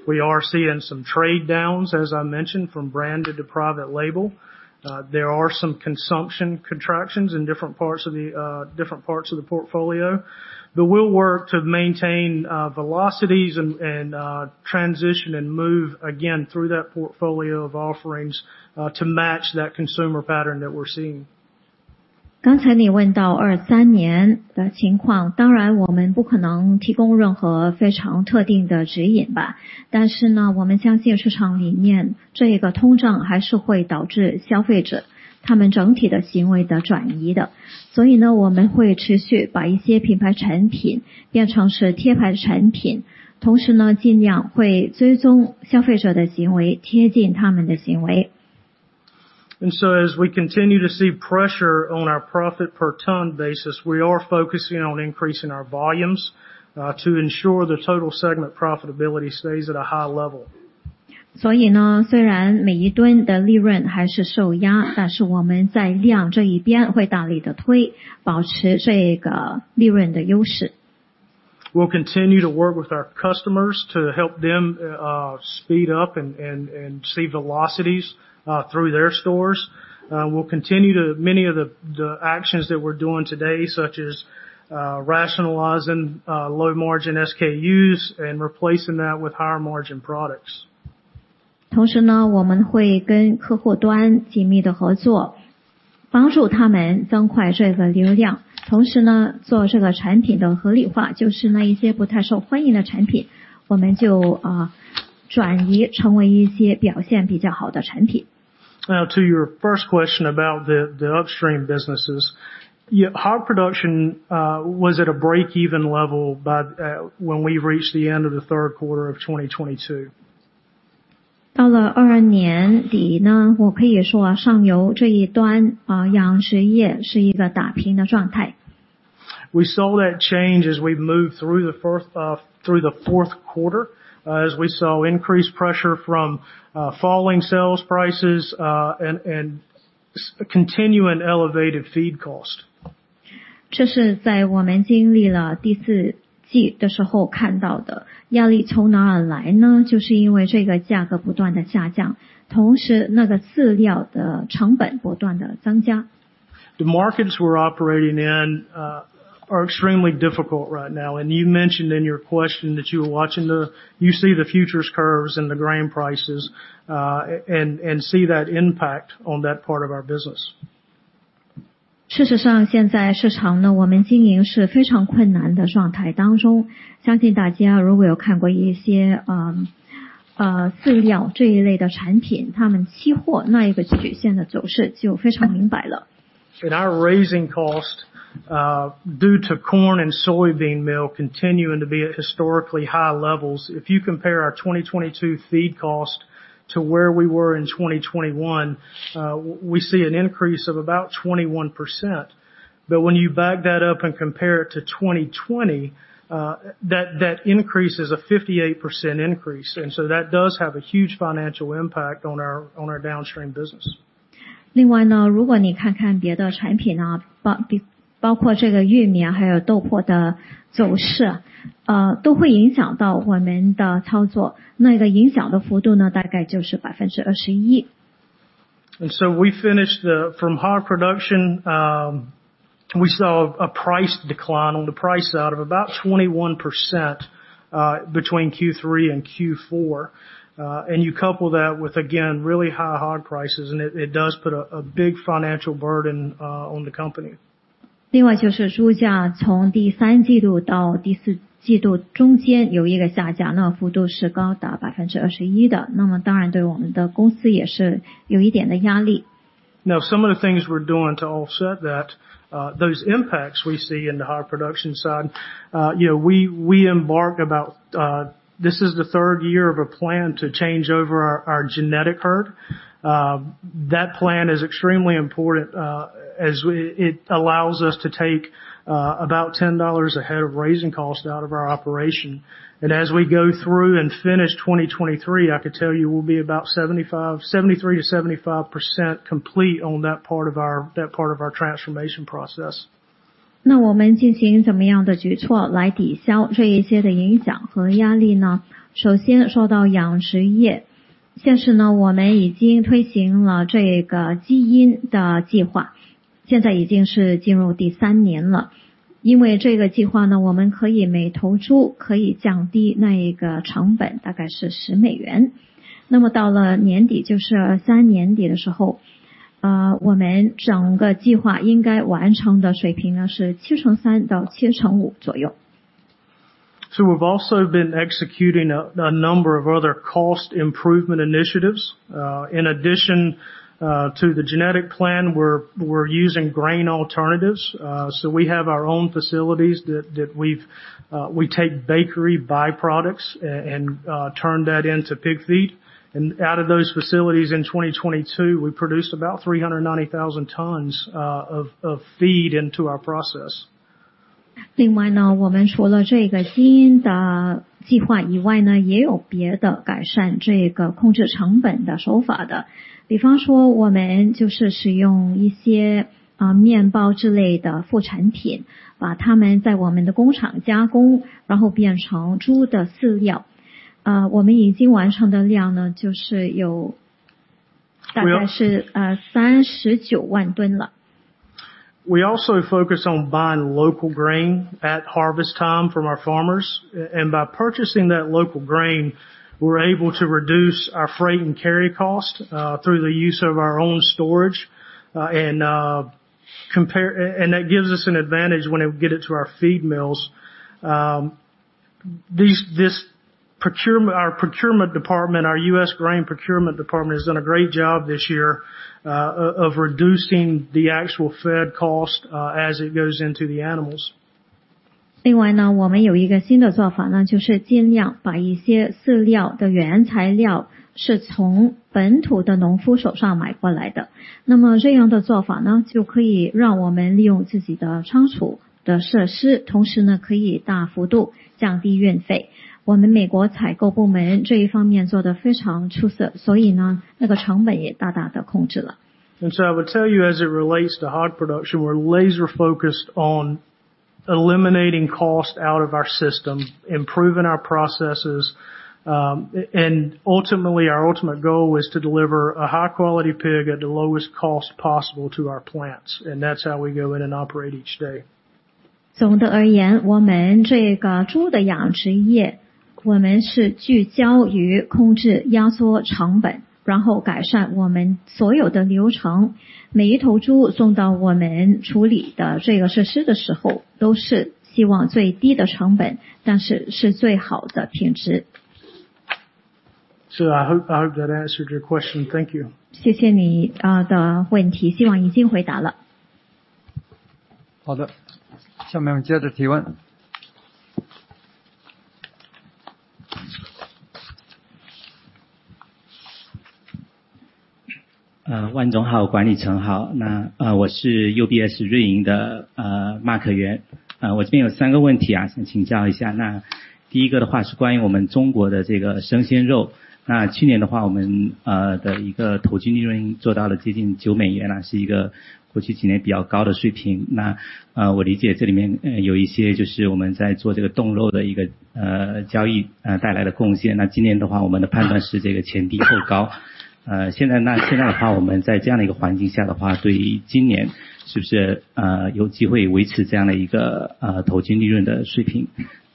We are seeing some trade downs, as I mentioned, from brand to private label. There are some consumption contractions in different parts of the portfolio. We'll work to maintain velocities and transition and move again through that portfolio of offerings to match that consumer pattern that we're seeing. 刚才你问到2023年的情 况， 当然我们不可能提供任何非常特定的指引吧。我们相信市场里面这个通胀还是会导致消费者他们整体的行为的转移的。我们会持续把一些品牌产品变成是贴牌产 品， 同时呢尽量会追踪消费者的行 为， 贴近他们的行为。As we continue to see pressure on our profit per ton basis, we are focusing on increasing our volumes to ensure the total segment profitability stays at a high level. 所以 呢， 虽然每一吨的利润还是受 压， 但是我们在量这一边会大力地 推， 保持这个利润的优势。We'll continue to work with our customers to help them speed up and see velocities through their stores. We'll continue many of the actions that we're doing today such as rationalizing low margin SKUs and replacing that with higher margin products. 同时 呢， 我们会跟客户端紧密地合 作， 帮助他们更快这个流量。同时 呢， 做这个产品的合理 化， 就是那些不太受欢迎的产 品， 我们就 啊， 转移成为一些表现比较好的产品。Now to your first question about the upstream businesses. Our production was at a break-even level by when we reached the end of the third quarter of 2022. 到了2022年 底， 我可以说上游这一 端， 养殖业是一个打平的状态。We saw that change as we moved through the first through the fourth quarter, as we saw increased pressure from falling sales prices, and continuing elevated feed cost. 这是在我们经历了第四季的时候看到的。压力从哪儿来 呢？ 就是因为这个价格不断的下 降， 同时那个饲料的成本不断的增加。The markets we're operating in are extremely difficult right now. You mentioned in your question that you were watching you see the futures curves and the grain prices and see that impact on that part of our business. 事实 上， 现在市场呢我们经营是非常困难的状态当 中， 相信大家如果有看过一些饲料这一类的产 品， 它们期货那一个曲线的走势就非常明白了。Our raising cost due to corn and soybean meal continuing to be at historically high levels. If you compare our 2022 feed cost to where we were in 2021, we see an increase of about 21%. When you back that up and compare it to 2020, that increase is a 58% increase. That does have a huge financial impact on our, on our downstream business. 呢， 如果你看看别的产品 呢， 包括这个 corn 还有 soybean meal 的走 势， 都会影响到我们的操作。那个影响的幅度呢大概就是 21%。We finished from hog production, we saw a price decline on the price out of about 21% between Q3 and Q4. You couple that with, again, really high hog prices and it does put a big financial burden on the company. 另外就是猪价从第三季度到第四季度中间有一个下 降， 那幅度是高达百分之二十一 的， 那么当然对我们的公司也是有一点的压力。Now, some ofthe things we're doing to offset that, those impacts we see in the hog production side. You know, we embarked about, this is the third year of a plan to change over our genetic herd. That plan is extremely important, as it allows us to take, about $10 a head of raising costs out of our operation. As we go through and finish 2023, I can tell you we'll be about 73%-75% complete on that part of our transformation process. 那我们进行怎么样的举措来抵消这一些的影响和压力 呢？ 首先说到养殖 业， 现时 呢， 我们已经推行了这个基因的计划，现在已经是进入第三年了。因为这个计划 呢， 我们可以每头猪可以降低那个成 本， 大概是十美元。那么到了年 底， 就是三年底的时 候， 呃， 我们整个计划应该完成的水平 呢， 是七成三到七成五左右。We've also been executing a number of other cost improvement initiatives. In addition to the genetic plan, we're using grain alternatives. We have our own facilities that we take bakery by-products and turn that into pig feed. Out of those facilities in 2022, we produced about 390,000 tons of feed into our process. 另外 呢， 我们除了这个基因的计划以外 呢， 也有别的改善这个控制成本的手法的。比方说我们就是使用一 些， 呃， 面包之类的副产 品， 把它们在我们的工厂加 工， 然后变成猪的饲料。呃， 我们已经完成的量 呢， 就是有大概 是， 呃， 三十九万吨了。We also focus on buying local grain at harvest time from our farmers. By purchasing that local grain, we're able to reduce our freight and carry cost through the use of our own storage, and that gives us an advantage when it get it to our feed mills. This procurement, our procurement department, our U.S. grain procurement department has done a great job this year of reducing the actual fed cost as it goes into the animals. 我们有一个新的做法 呢， 就是尽量把一些饲料的原材料是从本土的农夫手上买过来的。这样的做法 呢， 就可以让我们利用自己的仓储的设 施， 同时 呢， 可以大幅度降低运费。我们美国采购部门这一方面做得非常出 色， 那个成本也大大地控制了。I would tell you as it relates to hog production, we're laser focused on eliminating cost out of our system, improving our processes, and ultimately, our ultimate goal is to deliver a high quality pig at the lowest cost possible to our plants. That's how we go in and operate each day. 总的而 言， 我们这个猪的养殖 业， 我们是聚焦于控制压缩成 本， 然后改善我们所有的流程。每一头猪送到我们处理的这个设施的时 候， 都是希望最低的成 本， 但是是最好的品质。I hope that answered your question. Thank you. 谢谢 你， 的问 题， 希望已经回答了。好 的， 下面我们接着提问。呃， 万总 好， 管理层好。那， 呃， 我是 UBS 瑞银 的， 呃 ，Mark Yu。呃， 我这边有三个问题 啊， 想请教一下。那第一个的话是关于我们中国的这个生鲜肉。那去年的 话， 我 们， 呃， 的一个投机利润做到了接近九美元 了， 是一个过去几年比较高的水平。那， 呃， 我理解这里 面， 呃， 有一些就是我们在做这个冻肉的一 个， 呃， 交 易， 呃， 带来的贡献。那今年的 话， 我们的判断是这个前低后高。呃， 现在那--现在的 话， 我们在这样的一个环境下的 话， 对于今年是不 是， 呃， 有机会维持这样的一 个， 呃， 投机利润的水 平？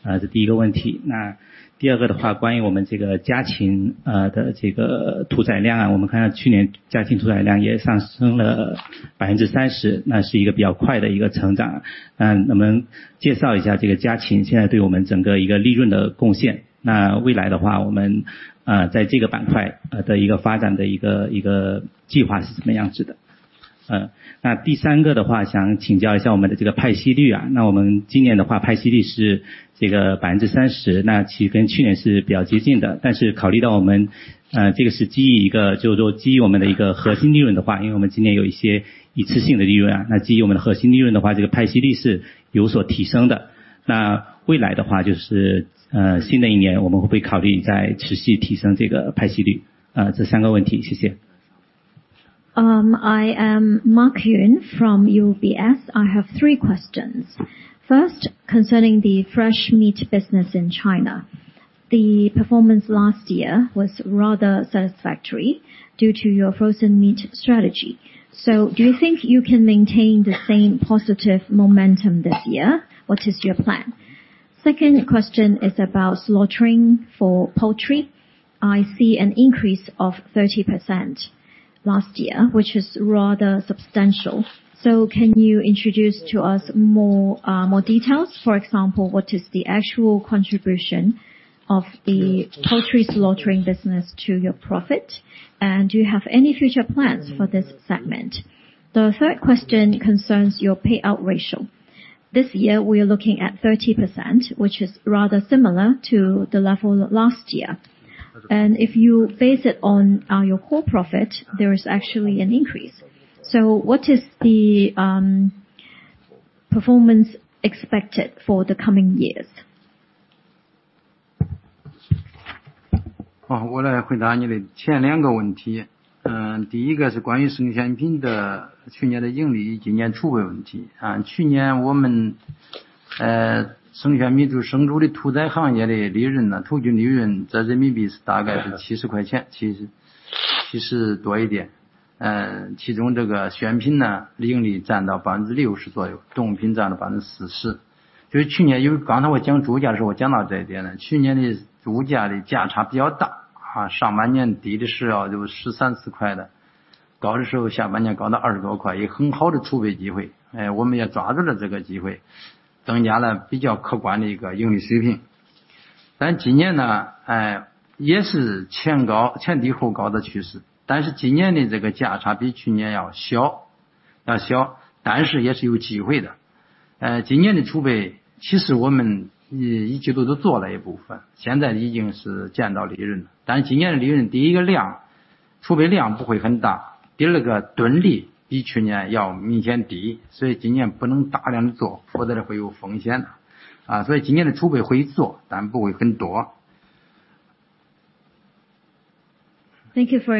呃， 这第一个问题。那第二个的 话， 关于我们这个家 禽， 呃， 的这个屠宰量 啊， 我们看到去年家禽屠宰量也上升了百分之三 十， 那是一个比较快的一个成长。那能不能介绍一下这个家禽现在对我们整个一个利润的贡献，那未来的话我 们， 呃， 在这个板 块， 呃， 的一个发展的一 个， 一个计划是什么样子 的？ 呃， 那第三个的话想请教一下我们的这个派息率 啊， 那我们今年的 话， 派息率是这个百分之三 十， 那其实跟去年是比较接近 的， 但是考虑到我 们， 呃， 这个是基于一个就是说基于我们的一个核心利润的 话， 因为我们今年有一些一次性的利润 啊， 那基于我们的核心利润的 话， 这个派息率是有所提升的。那未来的话就是， 呃， 新的一年我们会不会考虑再持续提升这个派息 率？ 呃， 这三个问 题， 谢谢。I am Mark Yu from UBS. I have three questions. First, concerning the fresh meat business in China. The performance last year was rather satisfactory due to your frozen meat strategy. Do you think you can maintain the same positive momentum this year? What is your plan? Second question is about slaughtering for poultry. I see an increase of 30% last year, which is rather substantial. Can you introduce to us more details? For example, what is the actual contribution of the poultry slaughtering business to your profit? Do you have any future plans for this segment? The third question concerns your payout ratio. This year we are looking at 30%, which is rather similar to the level last year. If you base it on your core profit, there is actually an increase. What is the performance expected for the coming years? Thank you very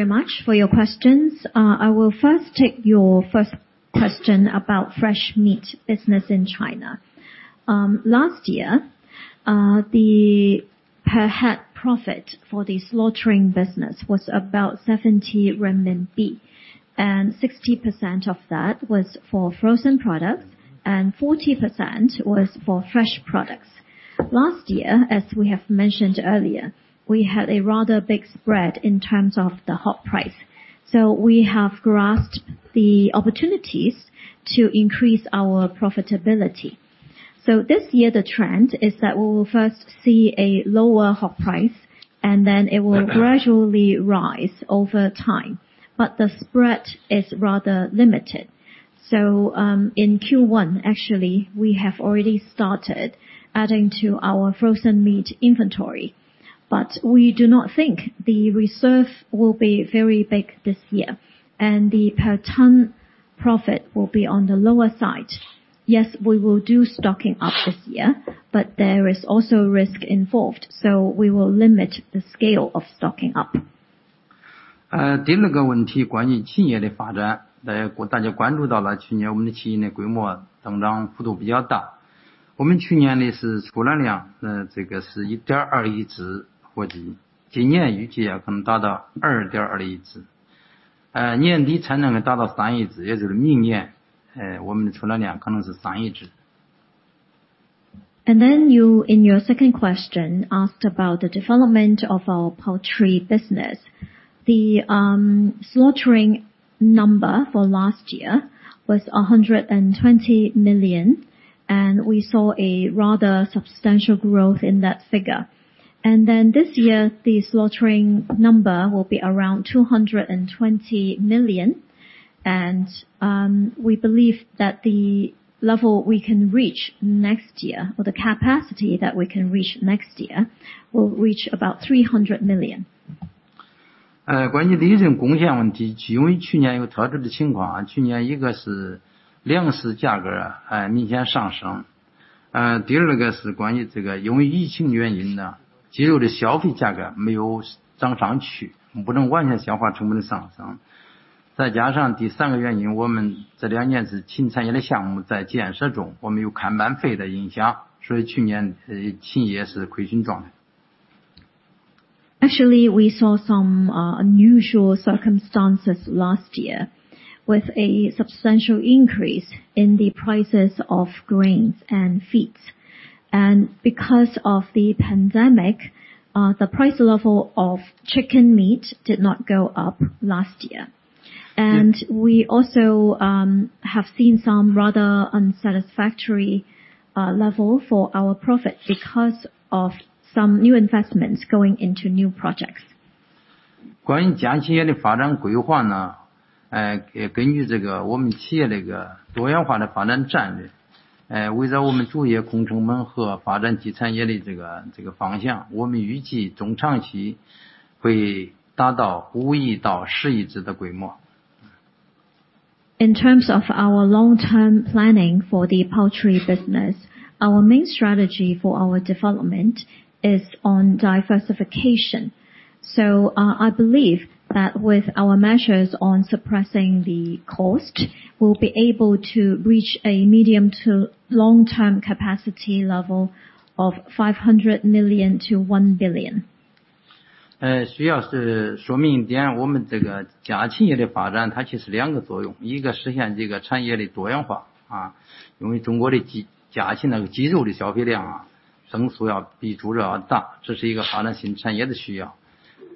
much for your questions. I will first take your first question about fresh meat business in China. Last year, the per head profit for the slaughtering business was about 70 renminbi, and 60% of that was for frozen products, and 40% was for fresh products. Last year, as we have mentioned earlier, we had a rather big spread in terms of the hog price. We have grasped the opportunities to increase our profitability. This year, the trend is that we will first see a lower hog price and then it will gradually rise over time. The spread is rather limited. In Q1, actually, we have already started adding to our frozen meat inventory. We do not think the reserve will be very big this year and the per ton profit will be on the lower side. Yes, we will do stocking up this year, but there is also risk involved, so we will limit the scale of stocking up. You, in your second question, asked about the development of our poultry business. The slaughtering number for last year was 120 million, and we saw a rather substantial growth in that figure. This year, the slaughtering number will be around 220 million. We believe that the level we can reach next year, or the capacity that we can reach next year, will reach about 300 million. Actually, we saw some unusual circumstances last year with a substantial increase in the prices of grains and feeds. Because of the pandemic, the price level of chicken meat did not go up last year. We also have seen some rather unsatisfactory level for our profit because of some new investments going into new projects. In terms of our long-term planning for the poultry business, our main strategy for our development is on diversification. I believe that with our measures on suppressing the cost, we'll be able to reach a medium to long term capacity level of 500 million to 1 billion. 需要是说明一 点， 我们这个家禽业的发展它其实两个作 用， 一个实现这个产业的多样 化， 因为中国的家禽的肌肉的消费 量， 增速要比猪肉要 大， 这是一个发展新产业的需要。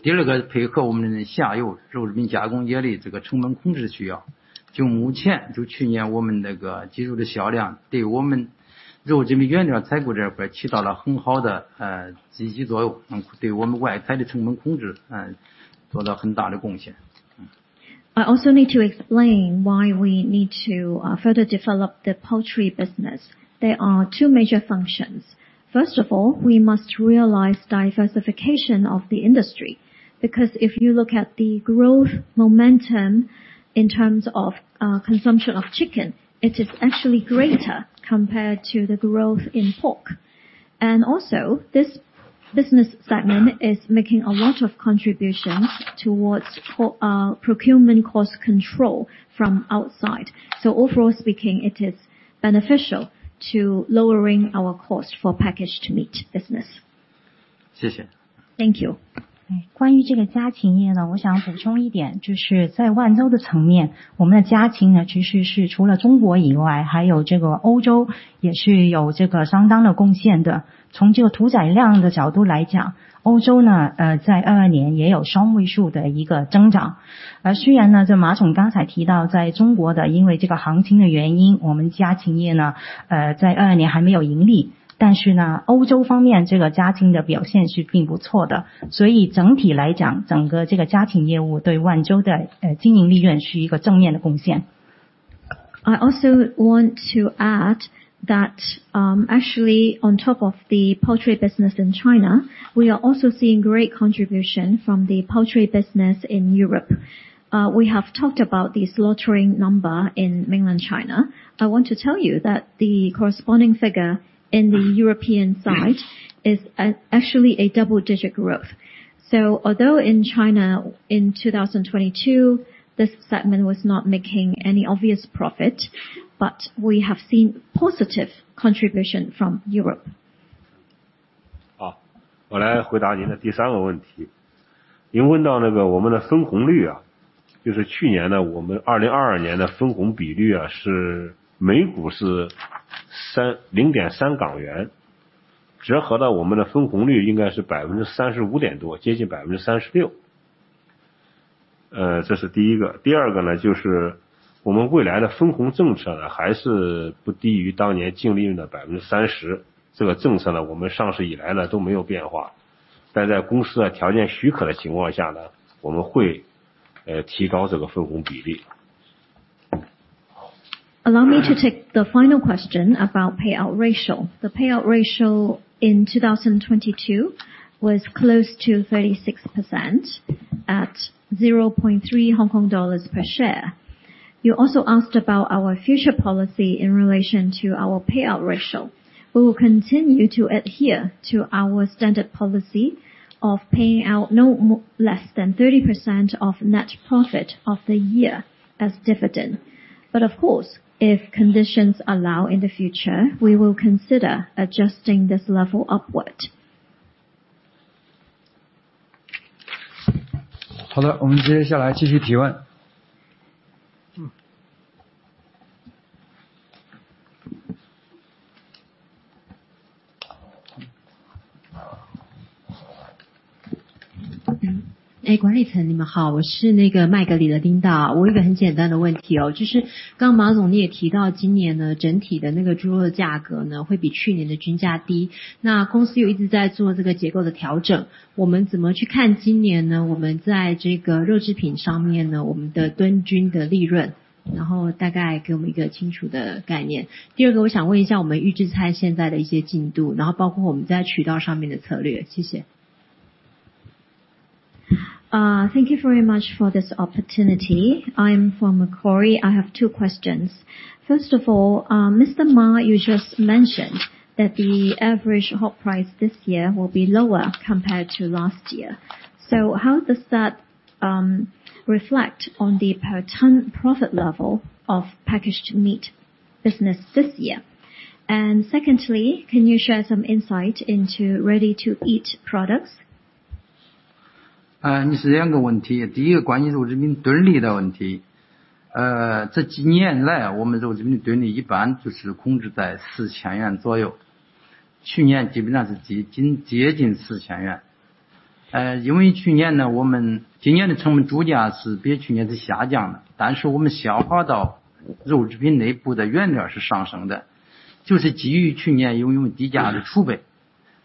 第二个是配合我们的下游肉制品加工业的这个成本控制需要。就目前就去年我们那个鸡肉的销 量， 对我们肉制品原料采购这块起到了很好的积极作 用， 对我们外采的成本控 制， 做了很大的贡献。I also need to explain why we need to further develop the poultry business. There are two major functions. First of all, we must realize diversification of the industry, because if you look at the growth momentum in terms of consumption of chicken, it is actually greater compared to the growth in pork. Also this business segment is making a lot of contributions towards procurement cost control from outside. Overall speaking, it is beneficial to lowering our cost for Packaged Meats business. 谢 谢. Thank you. 关于这个家禽业 呢, 我想补充一 点, 就是在万洲的层 面, 我们的家禽 呢, 其实是除了中国以 外, 还有这个欧洲也是有这个相当的贡献 的. 从这个屠宰量的角度来 讲, 欧洲 呢, 在 2022年 也有双位数的一个增 长. 虽然 呢, 这马总刚才提到在中国 的, 因为这个行情的原 因, 我们家禽业 呢, 在 2022年 还没有盈 利, 但是 呢, 欧洲方面这个家禽的表现是并不错 的, 所以整体来 讲, 整个这个家禽业务对万洲的经营利润是一个正面的贡 献. I also want to add that, actually on top of the poultry business in China, we are also seeing great contribution from the poultry business in Europe. We have talked about the slaughtering number in Mainland China. I want to tell you that the corresponding figure in the European side is actually a double digit growth. Although in China in 2022, this segment was not making any obvious profit, but we have seen positive contribution from Europe. 好， 我来回答您的第三个问题。您问到那个我们的分红率 啊， 就是去年 呢， 我们二零二二年的分红比率 啊， 是每股是三--零点三港 元， 折合到我们的分红率应该是百分之三十五点 多， 接近百分之三十六。呃， 这是第一个。第二个 呢， 就是我们未来的分红政策 呢， 还是不低于当年净利润的百分之三十。这个政策 呢， 我们上市以来 呢， 都没有变 化， 但在公司的条件许可的情况下 呢， 我们会 呃， 提高这个分红比例。Allow me to take the final question about payout ratio. The payout ratio in 2022 was close to 36% at 0.3 Hong Kong dollars per share. You also asked about our future policy in relation to our payout ratio. We will continue to adhere to our standard policy of paying out less than 30% of net profit of the year as dividend. Of course, if conditions allow in the future, we will consider adjusting this level upward. 好 的，我 们接下来继续提问。诶， 管理层你们 好， 我是那个麦格里的丁道。我有一个很简单的问题 哦， 就是刚刚马总你也提到今年 呢， 整体的那个猪肉的价格 呢， 会比去年的均价 低， 那公司又一直在做这个结构的调 整， 我们怎么去看今年 呢， 我们在这个肉制品上面 呢， 我们的吨均的利 润， 然后大概给我们一个清楚的概念。第二个我想问一下我们预制菜现在的一些进 度， 然后包括我们在渠道上面的策略。谢谢。Thank you very much for this opportunity. I'm from Macquarie. I have two questions. First of all, Mr. Ma, you just mentioned that the average hog price this year will be lower compared to last year. How does that reflect on the per ton profit level of Packaged Meats business this year? Secondly, can you share some insight into ready to eat products? 你是 two 个问 题, 第一个关于肉制品吨利的问 题. 这几年 来, 我们肉制品吨利一般就是控制在 CNY 4,000 左 右, 去年基本上是接近 CNY 4,000. 因为去年 呢, 我们今年的成本猪价是比去年是下降 的, 但是我们消耗到肉制品内部的原料是上升 的, 就是基于去年因为低价的储 备,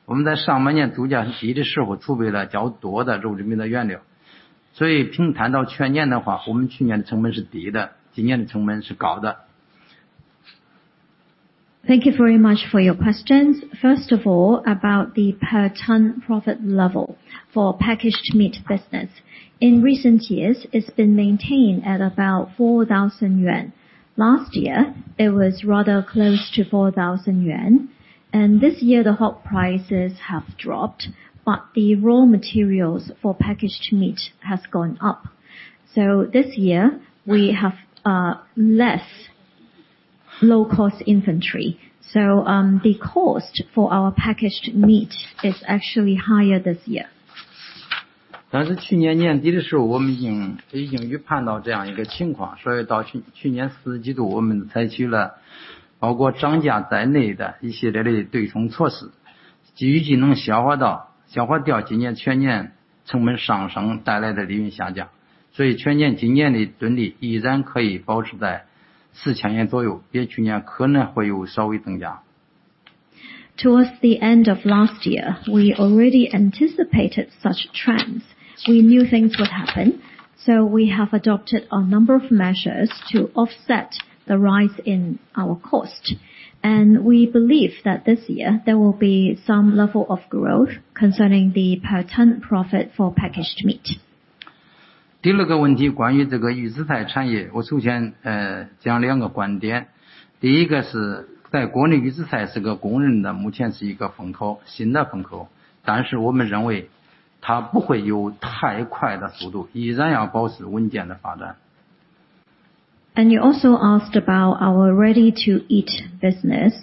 我们在上半年猪价低的时候储备了较多的肉制品的原 料. 平摊到全年的 话, 我们去年的成本是低 的, 今年的成本是高 的. Thank you very much for your questions. First of all, about the per ton profit level for Packaged Meats business. In recent years, it's been maintained at about 4,000 yuan. Last year, it was rather close to 4,000 yuan, this year the hog prices have dropped. The raw materials for Packaged Meats has gone up. This year, we have less low-cost inventory. The cost for our Packaged Meats is actually higher this year. 但是去年年底的时 候， 我们已 经， 已经预判到这样一个情 况， 所以到 去， 去年四季 度， 我们采取了包括涨价在内的一些系列的对冲措 施， 既已经能消化 到， 消化掉今年全年成本上升带来的利润下降。所以全年今年的吨利依然可以保持在四千元左 右， 比去年可能会有稍微增加。Towards the end of last year, we already anticipated such trends. We knew things would happen. We have adopted a number of measures to offset the rise in our cost. We believe that this year there will be some level of growth concerning the per ton profit for Packaged Meats. 第六个问 题， 关于这个预制菜产 业， 我首 先， 呃， 讲两个观点。第一个 是， 在国 内， 预制菜是个公认的目前是一个风 口， 新的风 口， 但是我们认为它不会有太快的速 度， 依然要保持稳健的发展。You also asked about our ready-to-eat business.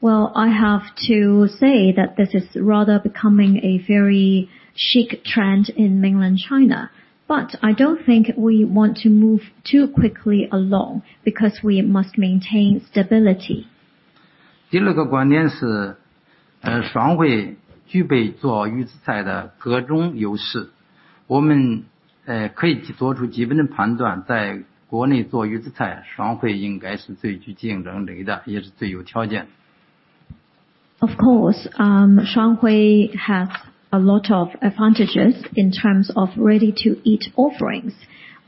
Well, I have to say that this is rather becoming a very chic trend in Mainland China, but I don't think we want to move too quickly along because we must maintain stability. 第六个观点 是， Shuanghui 具备做预制菜的各种优势。我们可以做出基本的判 断， 在国内做预制 菜， Shuanghui 应该是最具竞争力 的， 也是最有条件。Of course. Shuanghui has a lot of advantages in terms of ready-to-eat offerings.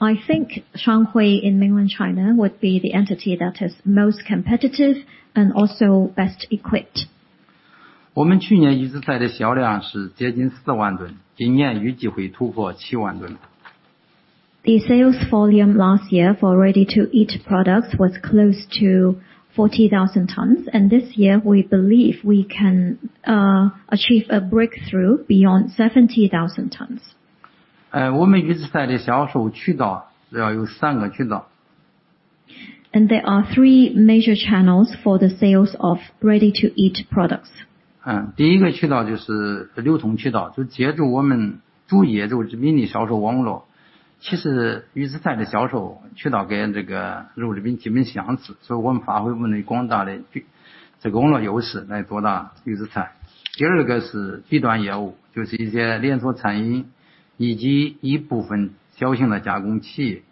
I think Shuanghui in Mainland China would be the entity that is most competitive and also best equipped. 我们去年预制菜的销量是接近四万 吨， 今年预计会突破七万吨。The sales volume last year for ready-to-eat products was close to 40,000 tons. This year we believe we can achieve a breakthrough beyond 70,000 tons. 呃， 我们预制菜的销售渠道只要有三个渠道。There are three major channels for the sales of ready-to-eat products. 嗯， 第一个渠道就是流通渠 道， 就借助我们主业的零售网络。其实预制菜的销售渠道跟这个肉类产品基本相 似， 所以我们发挥我们广大的这个网络优势来做到预制菜。第二个是 B 端业 务， 就是一些连锁餐饮以及一部分小型的加工企业。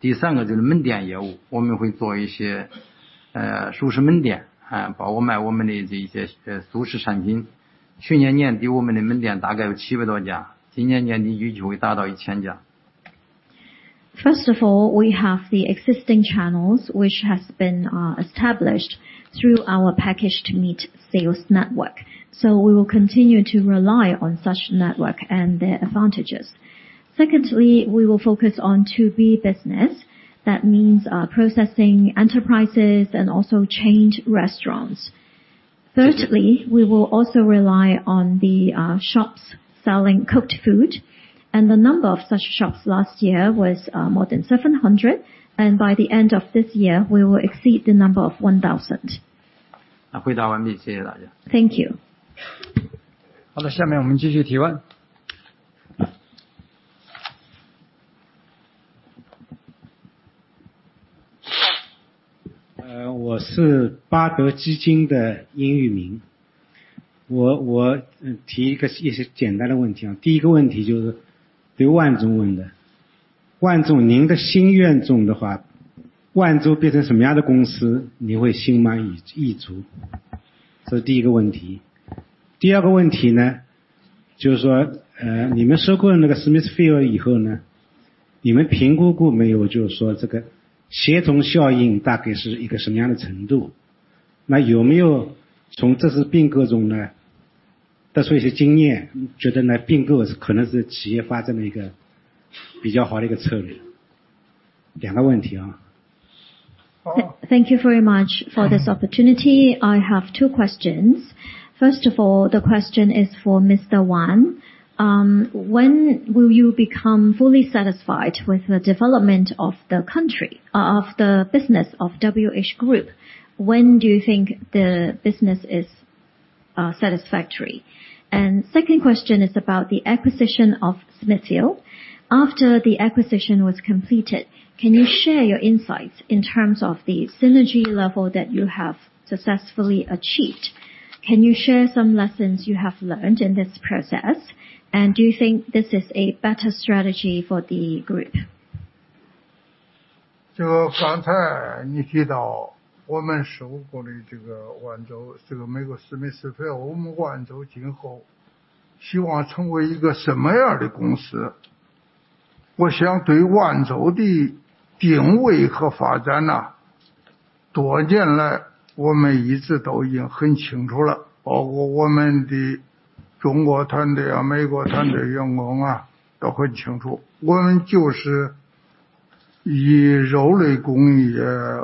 第三个就是门店业务。我们会做一 些， 呃， 熟食门 店， 啊包括卖我们的这 些， 呃， 熟食产品。去年年 底， 我们的门店大概有七百多 家， 今年年底预计会达到一千家。First of all, we have the existing channels, which has been established through our Packaged Meats sales network. We will continue to rely on such network and their advantages. Secondly, we will focus on B2B business. That means processing enterprises and also chained restaurants. Thirdly, we will also rely on the shops selling cooked food and the number of such shops last year was more than 700. By the end of this year we will exceed the number of 1,000. 回答完 毕. 谢谢大 家. Thank you. 好 的， 下面我们继续提问。我是巴德基金的 Yuming Yin。提一些简单的问题。第一个问题就是给万总问的。万总， 您的心愿总的 话， 万洲变成什么样的公 司， 你会心满意 足？ 这是第一个问题。第二个问题 呢， 就是 说， 你们收购了那个 Smithfield 以后 呢， 你们评估过没 有， 就是说这个协同效应大概是一个什么样的程 度？ 有没有从这次并购中呢得出一些经 验， 觉得呢并购是可能是企业发展的一个比较好的一个策略。两个问题啊。Thank you very much for this opportunity. I have two questions. First of all, the question is for Mr. Wan. When will you become fully satisfied with the development of the business of WH Group? When do you think the business is satisfactory? Second question is about the acquisition of Smithfield. After the acquisition was completed, can you share your insights in terms of the synergy level that you have successfully achieved? Can you share some lessons you have learned in this process? Do you think this is a better strategy for the group? 这个刚才你提到我们收购的这个万 洲， 这个美国史密斯菲尔 德， 我们万洲今后希望成为一个什么样的公 司？ 我想对万洲的定位和发展呢多年 来， 我们一直都已经很清楚 了， 包括我们的中国团队 啊， 美国团队员工 啊， 都很清 楚， 我们就是以肉类工业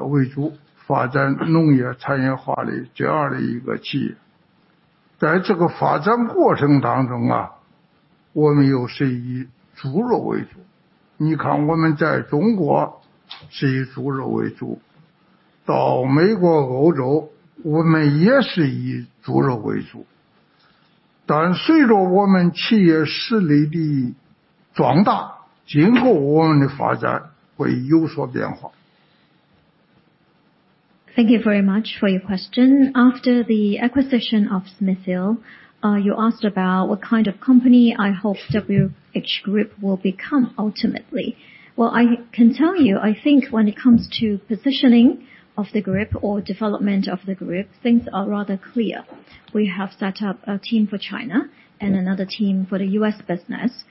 为主，发展农业产业化的这样一个企业。在这个发展过程当中 啊， 我们又是以猪肉为主。你看我们在中国是以猪肉为 主， 到美国、欧洲我们也是以猪肉为主。但随着我们企业实力的壮 大， 今后我们的发展会有所变化。Thank you very much for your question. After the acquisition of Smithfield, you asked about what kind of company I hope WH Group will become ultimately. Well, I can tell you, I think when it comes to positioning of the group or development of the group, things are rather clear. We have set up a team for China and another team for the U.S. business.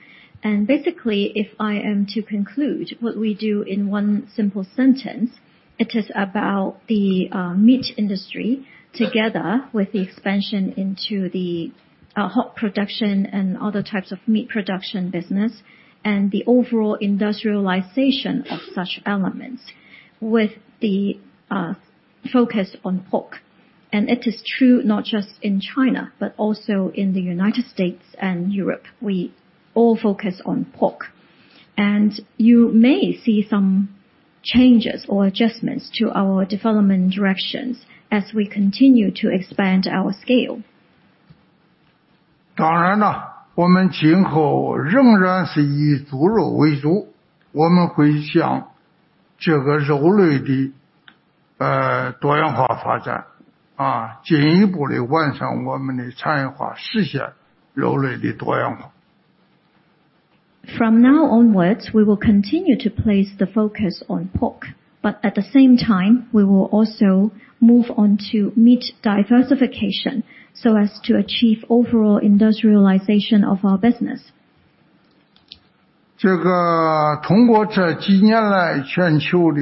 Basically, if I am to conclude what we do in one simple sentence, it is about the meat industry together with the expansion into the hot production and other types of meat production business and the overall industrialization of such elements. With the focus on pork. It is true not just in China but also in the United States and Europe. We all focus on pork. You may see some changes or adjustments to our development directions as we continue to expand our scale. 当然 啦， 我们今后仍然是以猪肉为 主， 我们会向这个肉类的 呃， 多样化发展 啊， 进一步地完善我们的产业 化， 实现肉类的多样化。From now onwards, we will continue to place the focus on pork. At the same time, we will also move on to meat diversification so as to achieve overall industrialization of our business. 这个通过这几年来全球的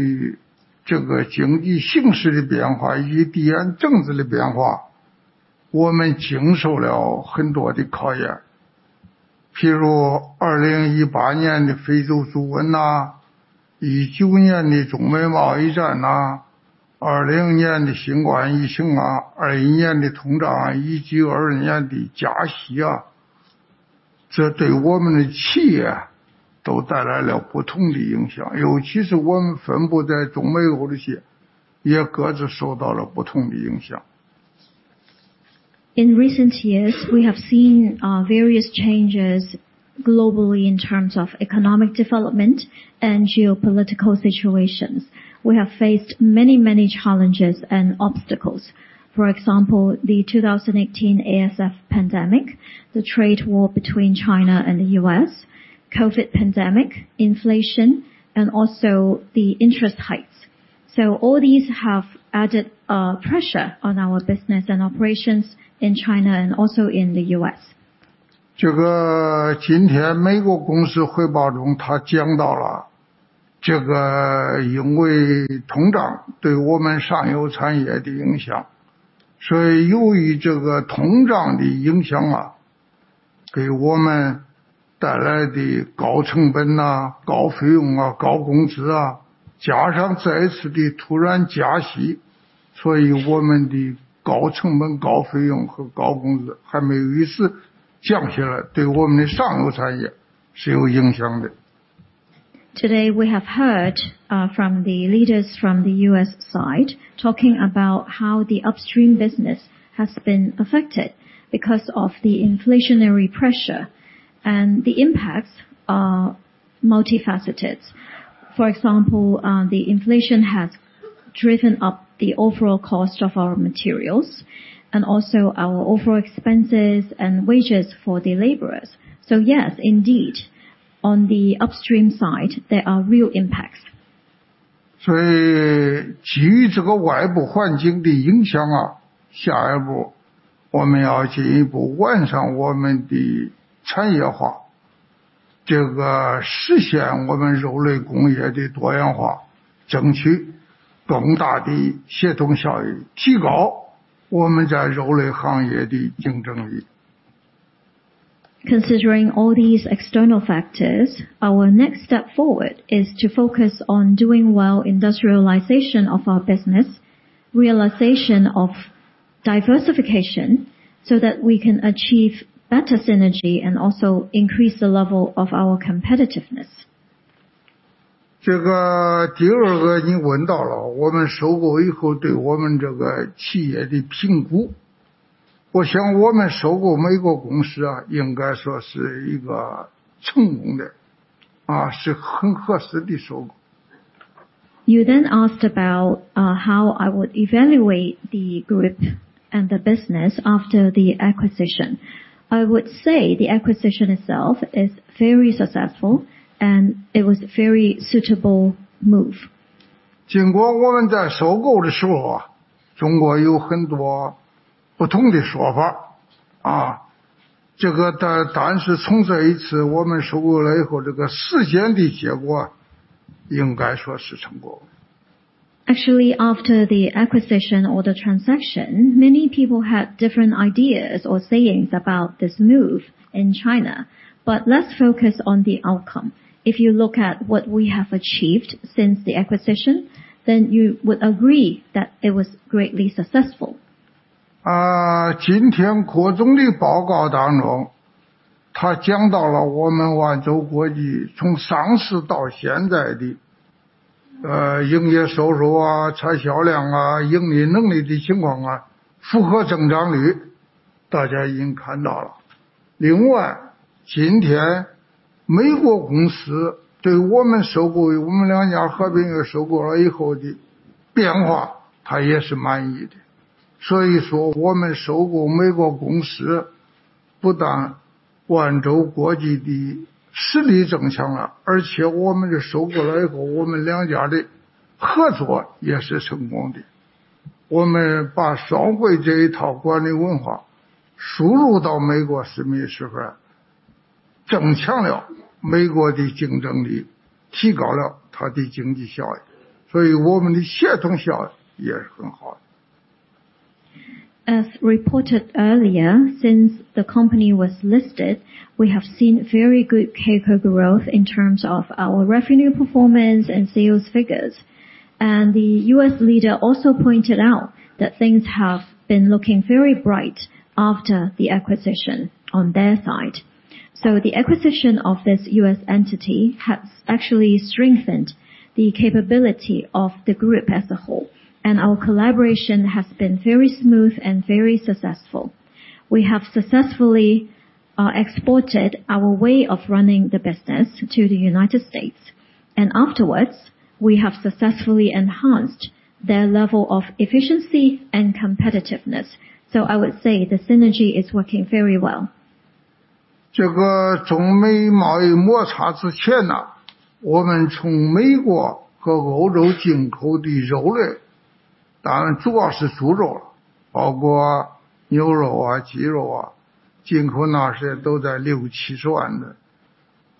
这个经济形势的变化以及地缘政治的变 化， 我们经受了很多的考验。譬如2018年的非洲猪瘟啊 ，19 年的中美贸易战啊 ，20 年的新冠疫情啊 ，21 年的通 胀， 以及22年的加息 啊， 这对我们的企业都带来了不同的影 响， 尤其是我们分布在中美欧的一 些， 也各自受到了不同的影响。In recent years, we have seen various changes globally in terms of economic development and geopolitical situations. We have faced many challenges and obstacles. For example, the 2018 ASF pandemic, the trade war between China and the U.S., COVID pandemic, inflation and also the interest hikes. All these have added pressure on our business and operations in China and also in the U.S. 这个今天美国公司汇报 中， 他讲到了这个因为通胀对我们上游产业的影 响， 所以由于这个通胀的影响 啊， 给我们带来的高成本 啊， 高费用 啊， 高工资 啊， 加上再一次的突然加 息， 所以我们的高成本、高费用和高工资还没有一次降下 来， 对我们的上游产业是有影响的。Today, we have heard from the leaders from the U.S. side talking about how the upstream business has been affected because of the inflationary pressure, and the impacts are multifaceted. For example, the inflation has driven up the overall cost of our materials and also our overall expenses and wages for the laborers. Yes, indeed, on the upstream side, there are real impacts. 基于这个外部环境的影 响， 下一步我们要进一步完善我们的产业 化， 实现我们肉类工业的多样 化， 争取更大的协同效 应， 提高我们在肉类行业的竞争力。Considering all these external factors, our next step forward is to focus on doing well industrialization of our business, realization of diversification so that we 可以 achieve better synergy and also increase the level of our competitiveness. 这个第二个你问到 了， 我们收购以后对我们这个企业的评 估. 我想我们收购美国公司 啊， 应该说是一个成功 的， 是很合适的收 购. You asked about how I would evaluate the group and the business after the acquisition. I would say the acquisition itself is very successful and it was very suitable move. 经过我们在收购的时 候, 中国有很多不同的说 法, 这 个, 但是从这一次我们收购了以 后, 这个时间的结果应该说是成 功. Actually, after the acquisition or the transaction, many people had different ideas or sayings about this move in China. Let's focus on the outcome. If you look at what we have achieved since the acquisition, you would agree that it was greatly successful. 啊， 今天各种的报告当 中， 它讲到了我们万州国际从上市到现在 的， 呃， 营业收入 啊， 产销量 啊， 盈利能力的情况 啊， 复合增长 率， 大家已经看到了。另 外， 今天美国公司对我们收 购， 我们两家合并与收购了以后的变 化， 他也是满意的。所以说我们收购美国公 司， 不但万州国际的实力增强 了， 而且我们的收购了以 后， 我们两家的合作也是成功的。我们把双汇这一套管理文化输入到美国史密斯菲尔 德， 增强了美国的竞争 力， 提高了它的经济效益。所以我们的协同效应也是很好的。As reported earlier, since the company was listed, we have seen very good capable growth in terms of our revenue performance and sales figures. The U.S. leader also pointed out that things have been looking very bright after the acquisition on their side. The acquisition of this U.S. entity has actually strengthened the capability of the group as a whole, and our collaboration has been very smooth and very successful. We have successfully exported our way of running the business to the United States, and afterwards, we have successfully enhanced their level of efficiency and competitiveness. I would say the synergy is working very well. 这个中美贸易摩擦之前 呢， 我们从美国和欧洲进口的肉 类， 当然主要是猪 肉， 包括牛肉啊、鸡肉 啊， 进口那些都在六七十万吨。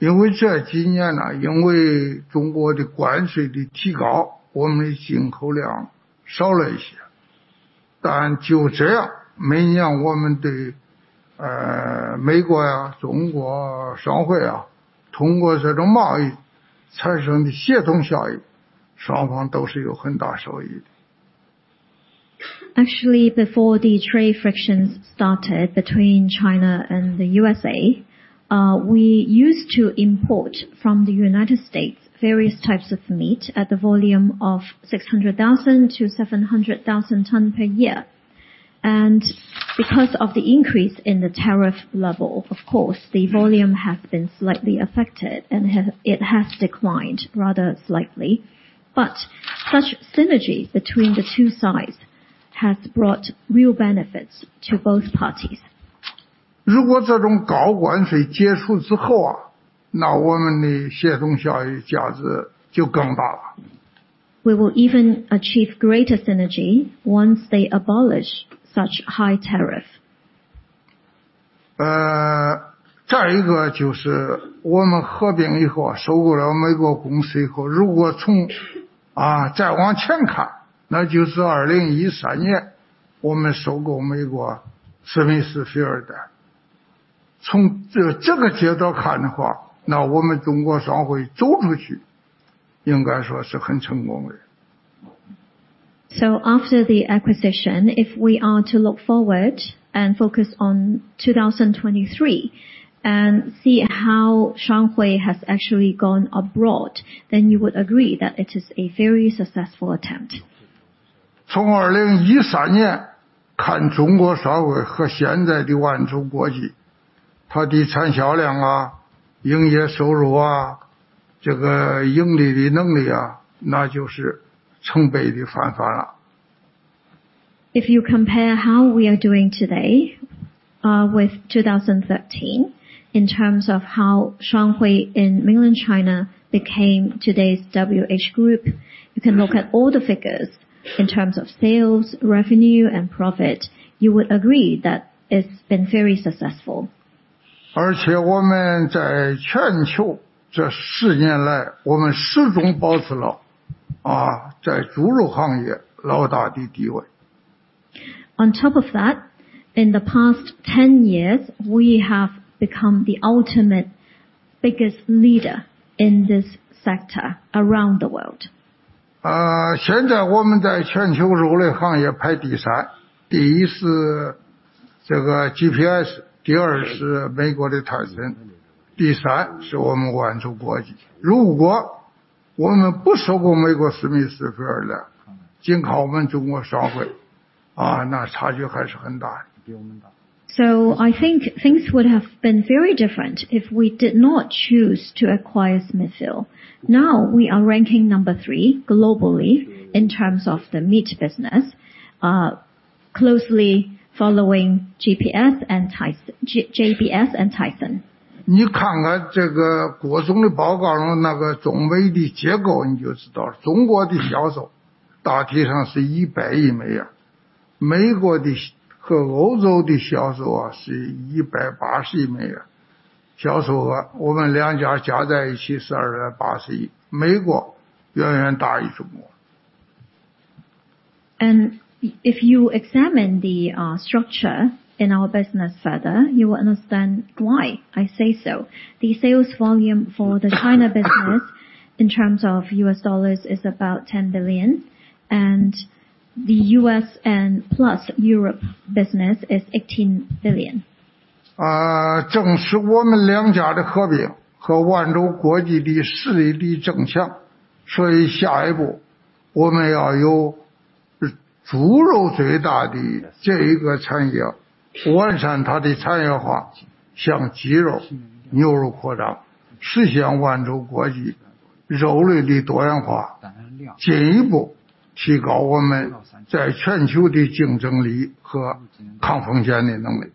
因为这几年 呢， 因为中国的关税的提 高， 我们的进口量少了一些。但就这 样， 每年我们 对， 呃， 美国呀、中国双汇 呀， 通过这种贸易产生的协同效 应， 双方都是有很大收益。Actually, before the trade frictions started between China and the U.S.A, we used to import from the United States various types of meat at the volume of 600,000-700,000 tons per year. Because of the increase in the tariff level, of course, the volume has been slightly affected and it has declined rather slightly. Such synergy between the two sides has brought real benefits to both parties. 如果这种高关税结束之 后， 那我们的协同效应价值就更大了。We will even achieve greater synergy once they abolish such high tariff. 再一个就是我们合并 以后，收购了 U.S. company 以后，如果 从，再 往前 看，那 就是 2013年我们收购 U.S. Smithfield Foods。从 这个角度看的 话，那 我们 China Shuanghui 走出去应该说是很成功的。After the acquisition, if we are to look forward and focus on 2023 and see how Shuanghui has actually gone abroad, you would agree that it is a very successful attempt. 从2013年 看， 中国双汇和现在的 WH Group， 它的产销 量， 营业收 入， 这个盈利的能 力， 那就是成倍地翻番了。If you compare how we are doing today, with 2013, in terms of how Shuanghui in mainland China became today's WH Group, you can look at all the figures in terms of sales, revenue and profit, you would agree that it's been very successful. 我们在全球这10年 来， 我们始终保持了在猪肉行业老大的地位。In the past 10 years, we have become the ultimate biggest leader in this sector around the world. 现在我们在全球肉类行业排 3rd。1st 是这个 JBS, 2nd 是美国的 Tyson, 3rd 是我们万洲国际。如果我们不收购美国 Smithfield Foods, 仅靠我们中国 双汇, 那差距还是很大的。I think things would have been very different if we did not choose to acquire Smithfield. We are ranking number three globally in terms of the meat business, closely following JBS and Tyson. 你看看这个各种的报告中那个中美的结 构， 你就知道中国的销售大体上是一百亿美 金， 美国的和欧洲的销售是一百八十亿美金。销售额我们两家加在一起是二百八十 亿， 美国远远大于中国。If you examine the structure in our business further, you will understand why I say so. The sales volume for the China business in terms of US dollars is about $10 billion, and the U.S. and plus Europe business is $18 billion. 啊， 正是我们两家的合并和万州国际的实力的增强。所以下一步我们要有猪肉最大的这一个产 业， 完善它的产业 化， 向鸡肉、牛肉扩 张， 实现万州国际肉类的多样 化， 进一步提高我们在全球的竞争力和抗风险的能力。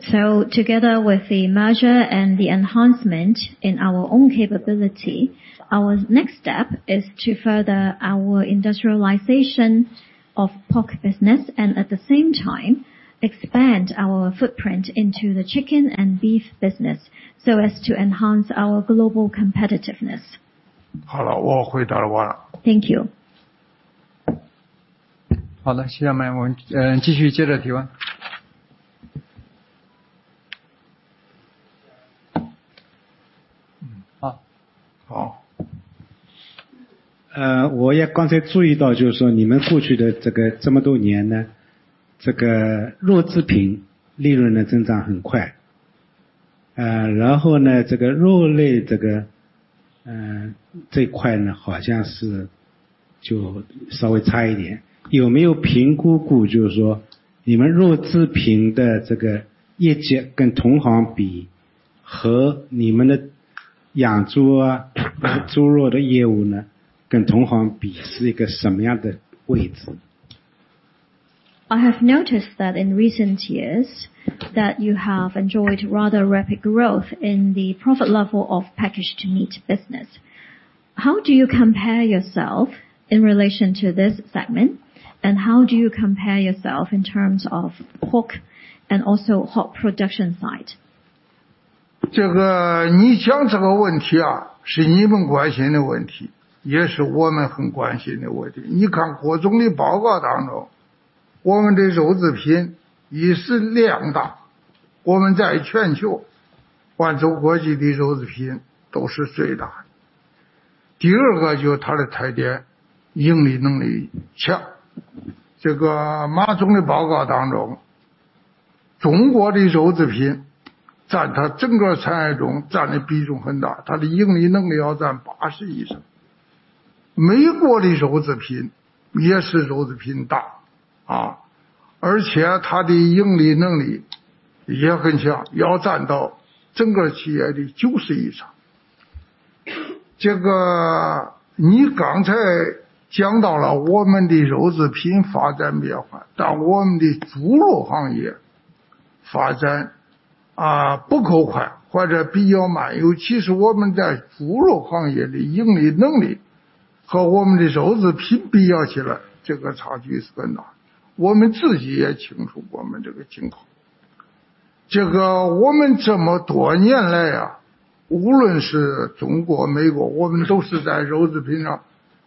Together with the merger and the enhancement in our own capability, our next step is to further our industrialization of pork business and at the same time expand our footprint into the chicken and beef business so as to enhance our global competitiveness. 好 了， 我回答完了。Thank you. 好 的， 谢谢大家。我们继续接着提问。好。好. 我也刚才注意 到， 就是说你们过去的这个这么多年 呢， 这个肉制品利润的增长很 快， 然后 呢， 这个肉类这 个， 这块 呢， 好像是就稍微差一 点， 有没有评估 过， 就是说你们肉制品的这个业绩跟同行 比， 和你们的养猪 啊， 猪肉的业务 呢， 跟同行比是一个什么样的位置？ I have noticed that in recent years that you have enjoyed rather rapid growth in the profit level of Packaged Meats business. How do you compare yourself in relation to this segment? How do you compare yourself in terms of pork and also production side? 这个你讲这个问题 啊， 是你们关心的问 题， 也是我们很关心的问题。你看国中的报告当 中， 我们的肉制品一是量 大， 我们在全球万州国际的肉制品都是最大的。第二个就是它的特 点， 盈利能力强。这个马总的报告当 中， 中国的肉制品占他整个产业中占的比重很 大， 它的盈利能力要占八十以上。美国的肉制品也是肉制品大， 啊， 而且它的盈利能力也很 强， 要占到整个企业的九十以上。这个你刚才讲到了我们的肉制品发展比较 快， 但我们的猪肉行业发展啊不够快或者比较 慢， 尤其是我们在猪肉行业的盈利能力和我们的肉制品比起 来， 这个差距是很大。我们自己也清楚我们这个情况。这个我们这么多年来 啊， 无论是中国、美 国， 我们都是在肉制品上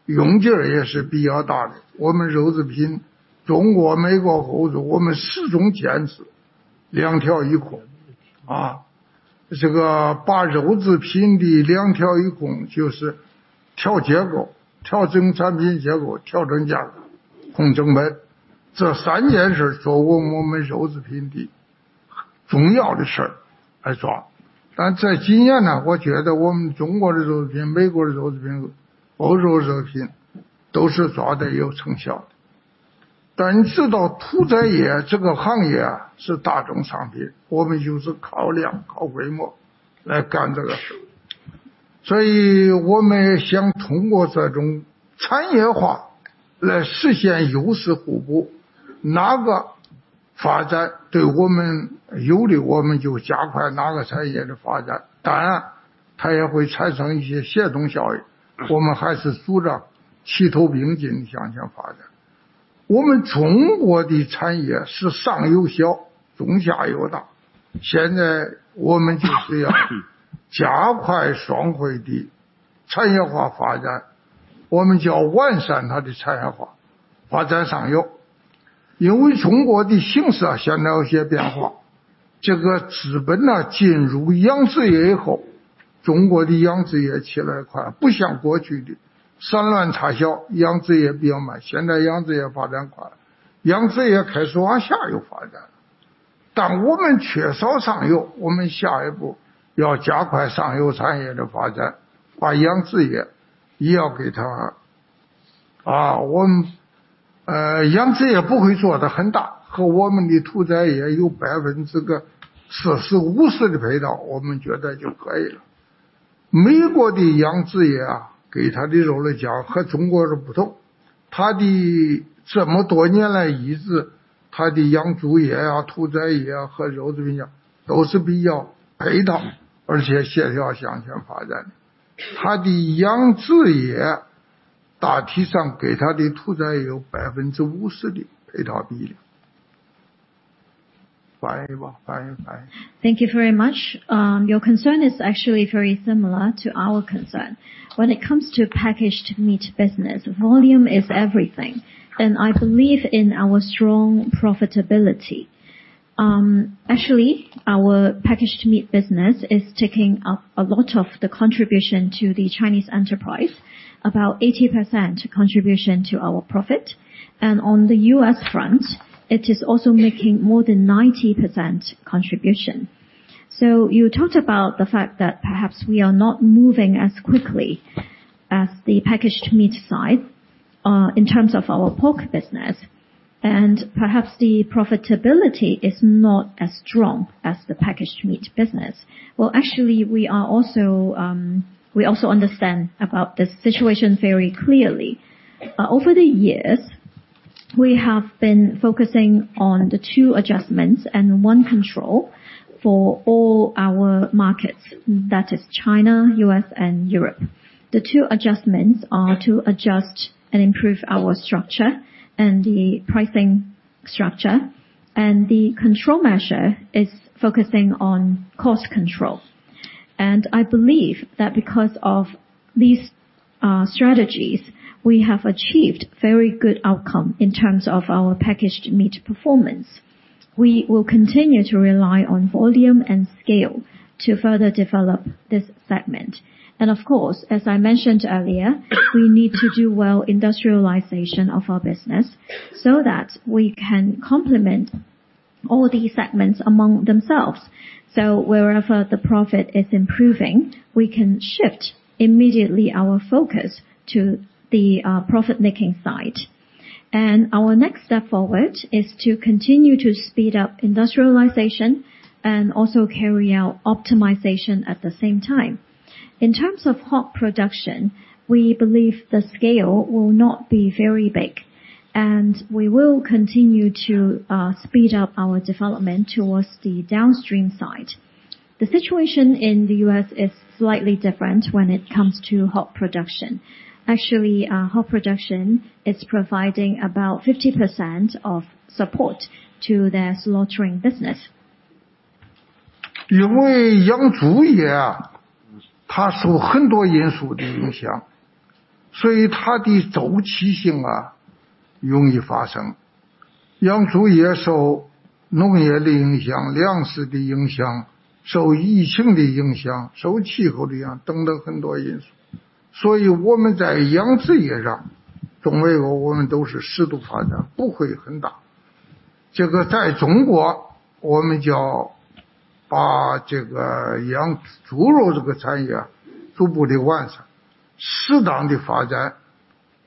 用劲也是比较大 的， 我们肉制 品， 中国、美国、欧 洲， 我们始终坚持两条一 条， 啊， 这个把肉制品的两条一同就是调结 构， 调整产品结 构， 调整价 格， 控成本这三件事作为我们肉制品的重要的事来做。但在今年 呢， 我觉得我们中国的肉制 品， 美国的肉制 品， 欧洲肉制品都是抓得有成效的。但你知道屠宰业这个行业是大众产 品， 我们就是靠 量， 靠规模来干这个事。所以我们想通过这种产业化来实现优势互补，哪个发展对我们有 利， 我们就加快哪个产业的发 展， 当然它也会产生一些协同效 应， 我们还是主张齐头并 进， 向前发展。我们中国的产业是上游 小， 中下游 大， 现在我们就是要加快双汇的产业化发 展， 我们就要完善它的产业 化， 发展上游。由于中国的形势现在有些变 化， 这个资本 呢， 进入养殖业以 后， 中国的养殖业起来 快， 不像过去的三乱插 销， 养殖业比较 慢， 现在养殖业发展 快， 养殖业开始往下游发 展， 但我们缺少上 游， 我们下一步要加快上游产业的发 展， 把养殖业也要给 它， 啊， 我们， 呃， 养殖也不会做得很 大， 和我们的屠宰业有百分之个四十、五十的配 套， 我们觉得就可以了。美国的养殖业 啊， 给它的价格和中国的不同。他的这么多年来一 直， 他的养猪业啊、屠宰业啊和肉制品 啊， 都是比较配 套， 而且协调向前发展的。他的养殖业大体上给他的屠宰有百分之五十的配套比例。翻译 吧， 翻译翻译。Thank you very much. Your concern is actually very similar to our concern. When it comes to Packaged Meats business, volume is everything, I believe in our strong profitability. Actually our Packaged Meats business is taking up a lot of the contribution to the Chinese enterprise, about 80% contribution to our profit. On the U.S. front, it is also making more than 90% contribution. You talked about the fact that perhaps we are not moving as quickly as the Packaged Meats side, in terms of our pork business, perhaps the profitability is not as strong as the Packaged Meats business. Well, actually we are also, we also understand about this situation very clearly. Over the years, we have been focusing on the two adjustments and one control for all our markets, that is China, U.S. and Europe. The two adjustments are to adjust and improve our structure and the pricing structure. The control measure is focusing on cost control. I believe that because of these strategies, we have achieved very good outcome in terms of our Packaged Meats performance. We will continue to rely on volume and scale to further develop this segment. Of course, as I mentioned earlier, we need to do well industrialization of our business, that we can complement all these segments among themselves. Wherever the profit is improving, we can shift immediately our focus to the profit making side. Our next step forward is to continue to speed up industrialization and also carry out optimization at the same time. In terms of hog production, we believe the scale will not be very big, we will continue to speed up our development towards the downstream side. The situation in the U.S. is slightly different when it comes to hog production. Actually, hog production is providing about 50% of support to their slaughtering business. 因为养猪业 啊， 它受很多因素的影 响， 所以它的周期性 啊， 容易发生。养猪业受农业的影 响， 粮食的影 响， 受疫情的影 响， 受气候的影 响， 等等很多因素。所以我们在养殖业 上， 在美国我们都是适度发 展， 不会很大。这个在中 国， 我们就要把这个养猪肉这个产业逐步地完 善， 适当的发展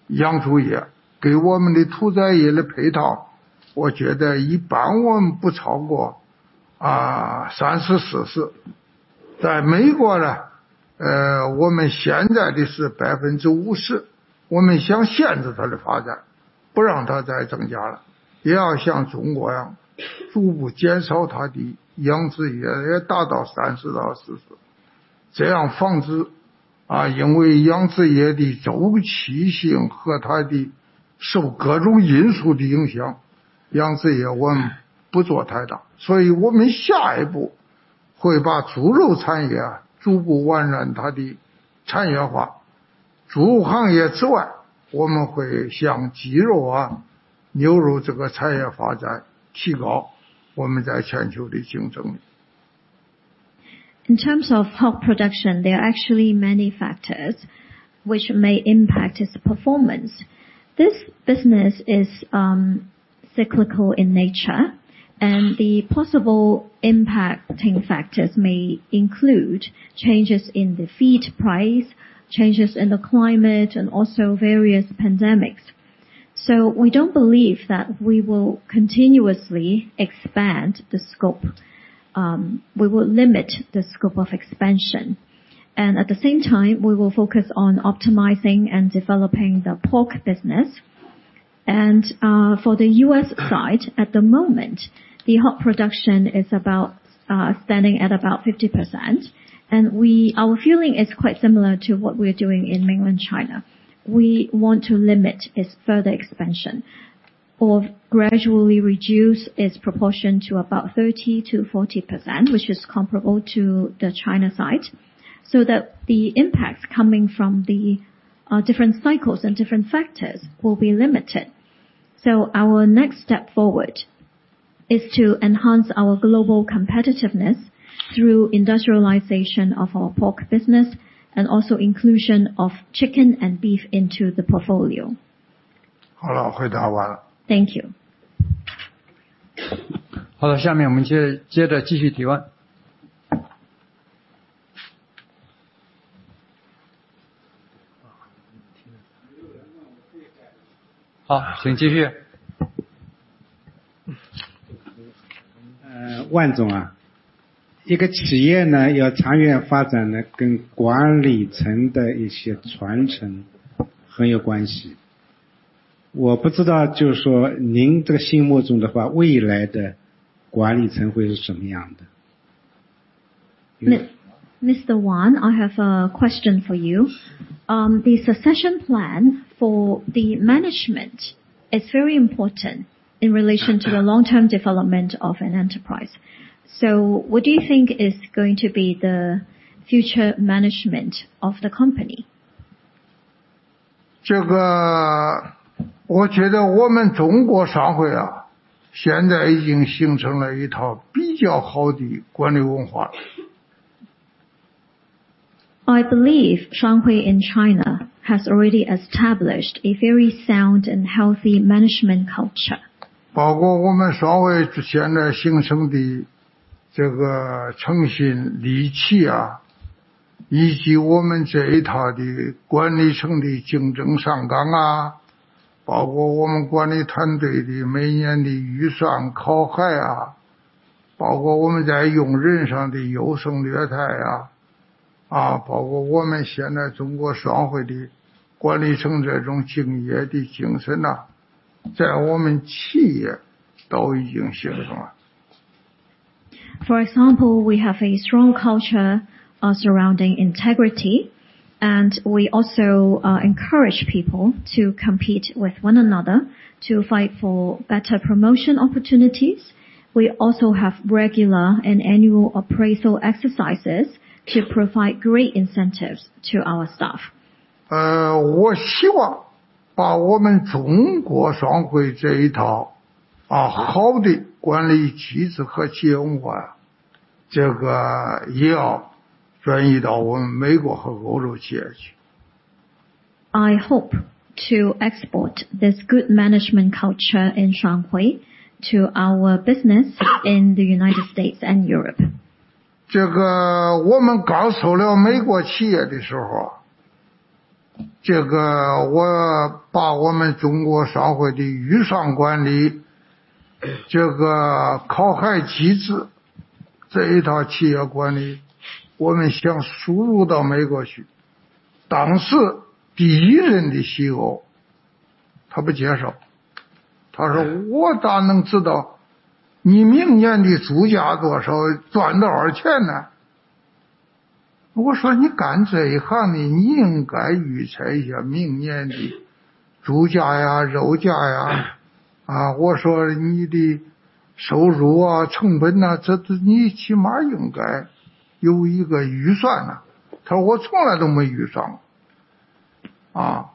养猪 业， 给我们的屠宰业的配 套， 我觉得一般我们不超 过， 啊， 三十、四十。在美国 呢， 呃， 我们现在的是百分之五 十， 我们想限制它的发 展， 不让它再增加了。也要像中国一 样， 逐步减少它的养殖 业， 也达到三十到四十。这样防 止， 啊， 因为养殖业的周期性和它的受各种因素的影 响， 养殖业我们不做太大。所以我们下一步会把猪肉产业逐步完善它的产业化。猪行业之 外， 我们会向鸡肉啊、牛肉这个产业发 展， 提高我们在全球的竞争力。In terms of hog production, there are actually many factors which may impact its performance. This business is cyclical in nature, and the possible impacting factors may include changes in the feed price, changes in the climate, and also various pandemics. We don't believe that we will continuously expand the scope. We will limit the scope of expansion. At the same time, we will focus on optimizing and developing the pork business. For the U.S. side, at the moment, the hog production is about standing at about 50%. Our feeling is quite similar to what we are doing in mainland China. We want to limit its further expansion, or gradually reduce its proportion to about 30%-40%, which is comparable to the China side, so that the impacts coming from the different cycles and different factors will be limited. Our next step forward is to enhance our global competitiveness through industrialization of our pork business, and also inclusion of chicken and beef into the portfolio. 好 了， 回答完了。Thank you. 好 了， 下面我们接着继续提问。没有 了. 好， 请继续。万总 啊， 一个企业 呢， 要长远发展 呢， 跟管理层的一些传承很有关系。我不知 道， 就是说您这个心目中的 话， 未来的管理层会是什么样 的？ Mr. Wan, I have a question for you. This succession plan for the management is very important in relation to the long term development of an enterprise. What do you think is going to be the future management of the company? 这个我觉得我们中国双汇 啊， 现在已经形成了一套比较好的管理文化。I believe Shuanghui in China has already established a very sound and healthy management culture. 包括我们双汇现在形成的这个诚信、利器 啊， 以及我们这一套的管理层的竞争上岗 啊， 包括我们管理团队的每年的预算考核 啊， 包括我们在用人上的优胜劣汰 啊， 啊， 包括我们现在中国双汇的管理层这种敬业的精神 啊， 在我们企业都已经形成了。For example, we have a strong culture surrounding integrity. We also encourage people to compete with one another to fight for better promotion opportunities. We also have regular and annual appraisal exercises to provide great incentives to our staff. 我希望把我们中国双汇这一套好的管理机制和企业文化这个也要转移到我们美国和欧洲企业去。I hope to export this good management culture in Shuanghui to our business in the United States and Europe. 这个我们刚收了美国企业的时 候， 这个我把我们中国双汇的预算管 理， 这个考核机 制， 这一套企业管理我们想输入到美国去。但是第一任的 CEO 他不接受。他说我咋能知道你明年的猪价多 少， 赚多少钱 呢？ 我说你干这一行 的， 你应该预测一下明年的猪价呀、肉价 呀， 啊， 我说你的收入啊、成本 啊， 这你起码应该有一个预算啊。他说我从来都没预算。啊。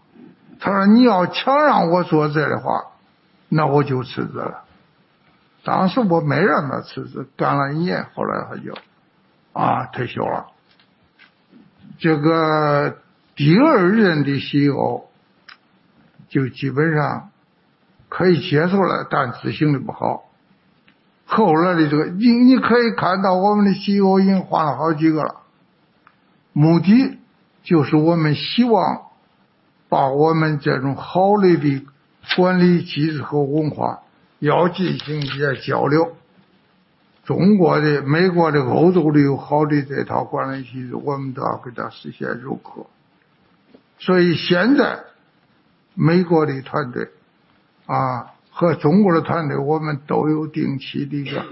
他说你要强让我做这个 话， 那我就辞职了。当时我没让他辞 职， 干了一 年， 后来他 就， 啊， 退休了。这个第二任的 CEO 就基本上可以接受 了， 但执行得不好。后来的这 个， 你， 你可以看到我们的 CEO 已经换了好几个了。目的就是我们希望把我们这种好类的管理机制和文化要进行一些交流。中国的、美国的、欧洲的好的一套管理机 制， 我们都要给它实现融合。所以现在美国的团 队， 啊， 和中国的团 队， 我们都有定期的一个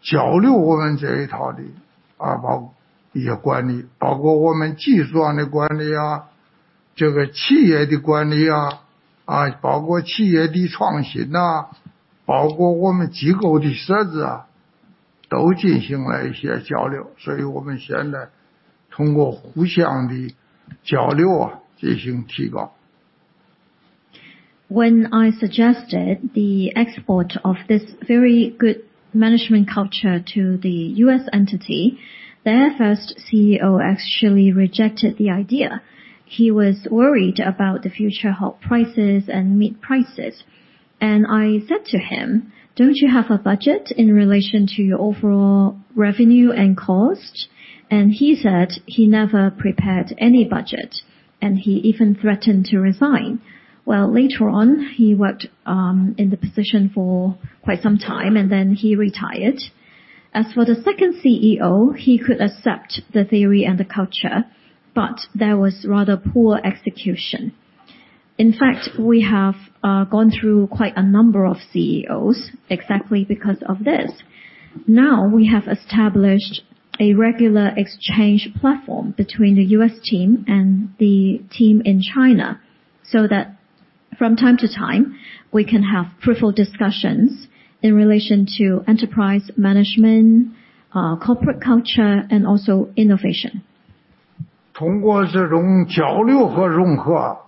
交 流， 我们这一套 的， 啊， 包一些管 理， 包括我们技术的管理 啊， 这个企业的管理 啊， 啊， 包括企业的创新啊，包括我们机构的设置 啊， 都进行了一些交流。所以我们现在通过互相的交流啊进行提高。When I suggested the export of this very good management culture to the U.S. entity, their first CEO actually rejected the idea. He was worried about the future hog prices and meat prices. I said to him, "Don't you have a budget in relation to your overall revenue and cost?" He said he never prepared any budget, and he even threatened to resign. Well, later on, he worked in the position for quite some time, and then he retired. As for the second CEO, he could accept the theory and the culture, but there was rather poor execution. In fact, we have gone through quite a number of CEOs exactly because of this. Now we have established a regular exchange platform between the US team and the team in China, so that from time to time we can have fruitful discussions in relation to enterprise management, corporate culture and also innovation. 通过这种交流和融 合， 美国的 Smithfield 变化还是很大的。我们收购它之 前， 它一年的盈利能力一般来说就在 $200 million 左右。它现在的你可以看到它的盈利情况变化已经很大。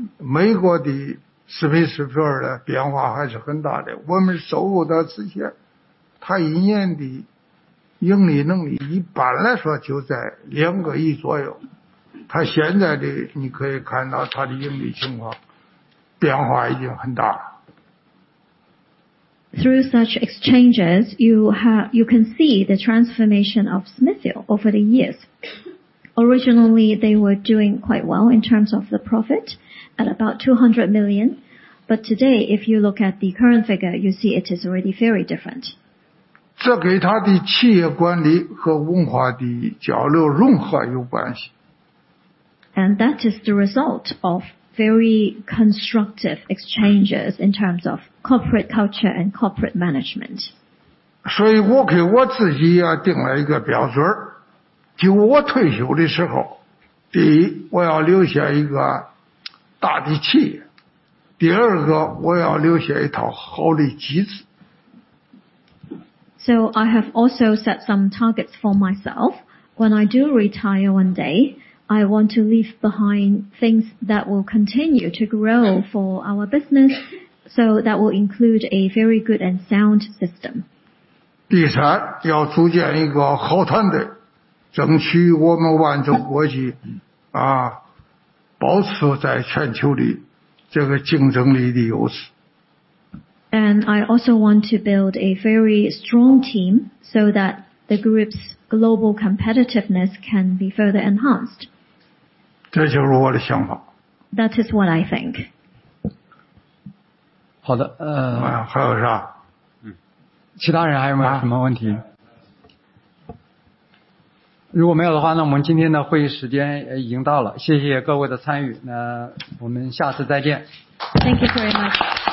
Through such exchanges, you can see the transformation of Smithfield over the years. Originally, they were doing quite well in terms of the profit at about $200 million. Today, if you look at the current figure, you see it is already very different. 这跟它的企业管理和文化的交流融合有关系。That is the result of very constructive exchanges in terms of corporate culture and corporate management. 我给我自己也定了一个标 准， 就我退休的时 候， 第 一， 我要留下一个大的企业。第二 个， 我要留下一套好的机制。I have also set some targets for myself. When I do retire one day, I want to leave behind things that will continue to grow for our business, that will include a very good and sound system. 第 三， 要组建一个好团 队， 争取我们万州国 际， 啊， 保持在全球的这个竞争力的优势。I also want to build a very strong team so that the group's global competitiveness can be further enhanced. 这就是我的想 法. That is what I think. 好 的， 呃。还有 啥？ 其他人还有没有什么问 题？ 如果没有的 话， 那我们今天的会议时间已经到了。谢谢各位的参 与， 那我们下次再见。Thank you very much.